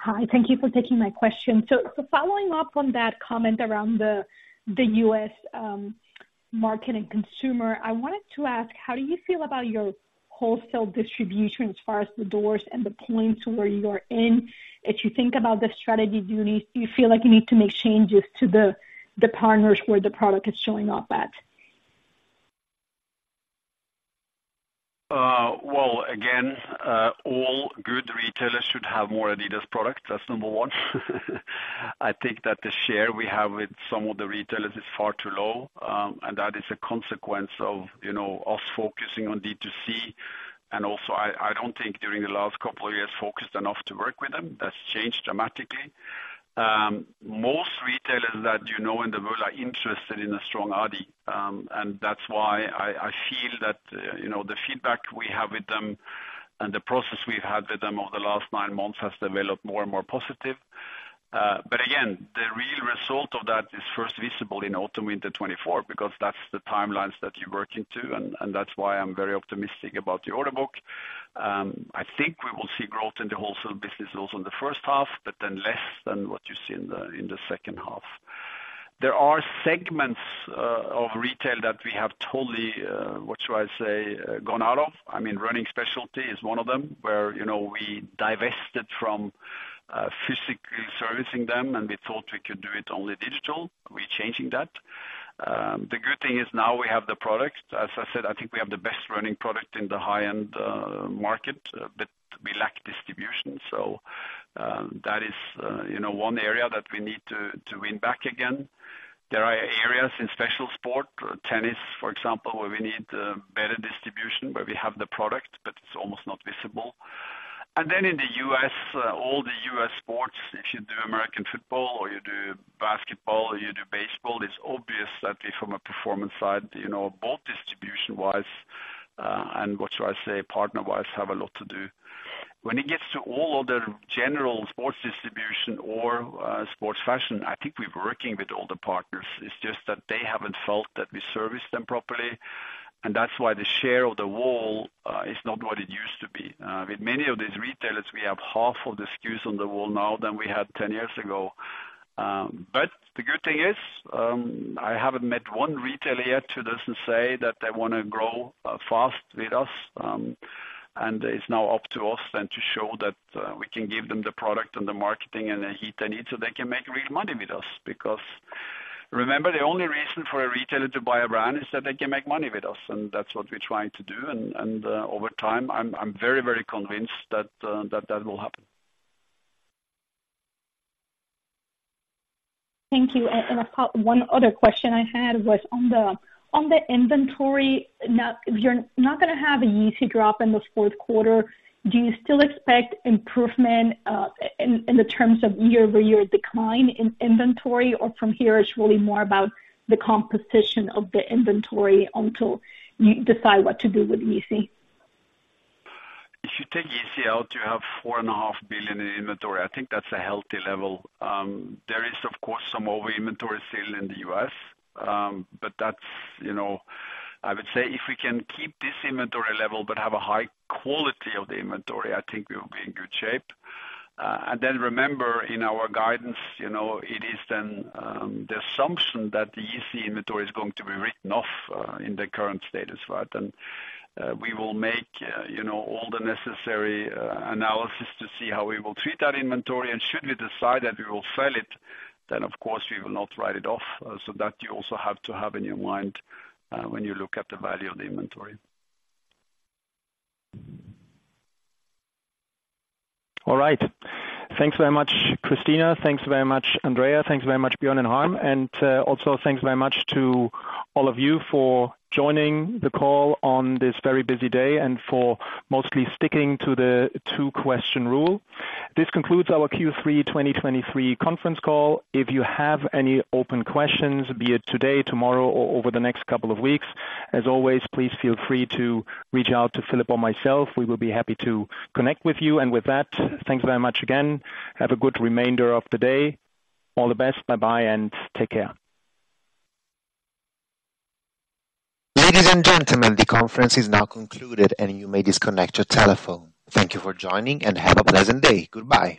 Hi, thank you for taking my question. So following up on that comment around the U.S. market and consumer, I wanted to ask: how do you feel about your wholesale distribution as far as the doors and the points where you are in? If you think about the strategy, do you feel like you need to make changes to the partners where the product is showing up at? Well, again, all good retailers should have more adidas products. That's number one. I think that the share we have with some of the retailers is far too low, and that is a consequence of, you know, us focusing on D2C. And also, I don't think during the last couple of years, focused enough to work with them. That's changed dramatically. Most retailers that you know in the world are interested in a strong adidas, and that's why I feel that, you know, the feedback we have with them. And the process we've had with them over the last nine months has developed more and more positive. But again, the real result of that is first visible in autumn, winter 2024, because that's the timelines that you're working to, and that's why I'm very optimistic about the order book. I think we will see growth in the wholesale business also in the first half, but then less than what you see in the second half. There are segments of retail that we have totally, what should I say, gone out of? I mean, running specialty is one of them, where, you know, we divested from physically servicing them, and we thought we could do it only digital. We're changing that. The good thing is now we have the product. As I said, I think we have the best running product in the high-end market, but we lack distribution. So, that is, you know, one area that we need to win back again. There are areas in specialty sport, tennis, for example, where we need better distribution, where we have the product, but it's almost not visible. And then in the U.S., all the U.S. sports, if you do American football or you do basketball or you do baseball, it's obvious that we from a performance side, you know, both distribution-wise and what should I say, partner-wise, have a lot to do. When it gets to all other general sports distribution or sports fashion, I think we're working with all the partners. It's just that they haven't felt that we service them properly, and that's why the share of the wall is not what it used to be. With many of these retailers, we have half of the SKUs on the wall now than we had 10 years ago. The good thing is, I haven't met one retailer yet who doesn't say that they wanna grow fast with us, and it's now up to us then to show that we can give them the product and the marketing and the heat they need, so they can make real money with us. Because, remember, the only reason for a retailer to buy a brand is that they can make money with us, and that's what we're trying to do, and over time, I'm very, very convinced that that will happen. Thank you. And I've got one other question I had was on the inventory. Now, if you're not gonna have a Yeezy drop in the fourth quarter, do you still expect improvement in the terms of year-over-year decline in inventory? Or from here, it's really more about the composition of the inventory until you decide what to do with Yeezy? If you take Yeezy out, you have 4.5 billion in inventory. I think that's a healthy level. There is, of course, some over-inventory still in the U.S., but that's, you know... I would say if we can keep this inventory level but have a high quality of the inventory, I think we will be in good shape. And then remember, in our guidance, you know, it is then the assumption that the Yeezy inventory is going to be written off in the current status, right? And we will make, you know, all the necessary analysis to see how we will treat that inventory. And should we decide that we will sell it, then, of course, we will not write it off. So that you also have to have in your mind, when you look at the value of the inventory. All right. Thanks very much, Cristina. Thanks very much, Andreas. Thanks very much, Bjørn and Harm, and also thanks very much to all of you for joining the call on this very busy day and for mostly sticking to the two-question rule. This concludes our Q3 2023 conference call. If you have any open questions, be it today, tomorrow, or over the next couple of weeks, as always, please feel free to reach out to Philip or myself. We will be happy to connect with you, and with that, thanks very much again. Have a good remainder of the day. All the best. Bye-bye, and take care. Ladies and gentlemen, the conference is now concluded, and you may disconnect your telephone. Thank you for joining, and have a pleasant day. Goodbye.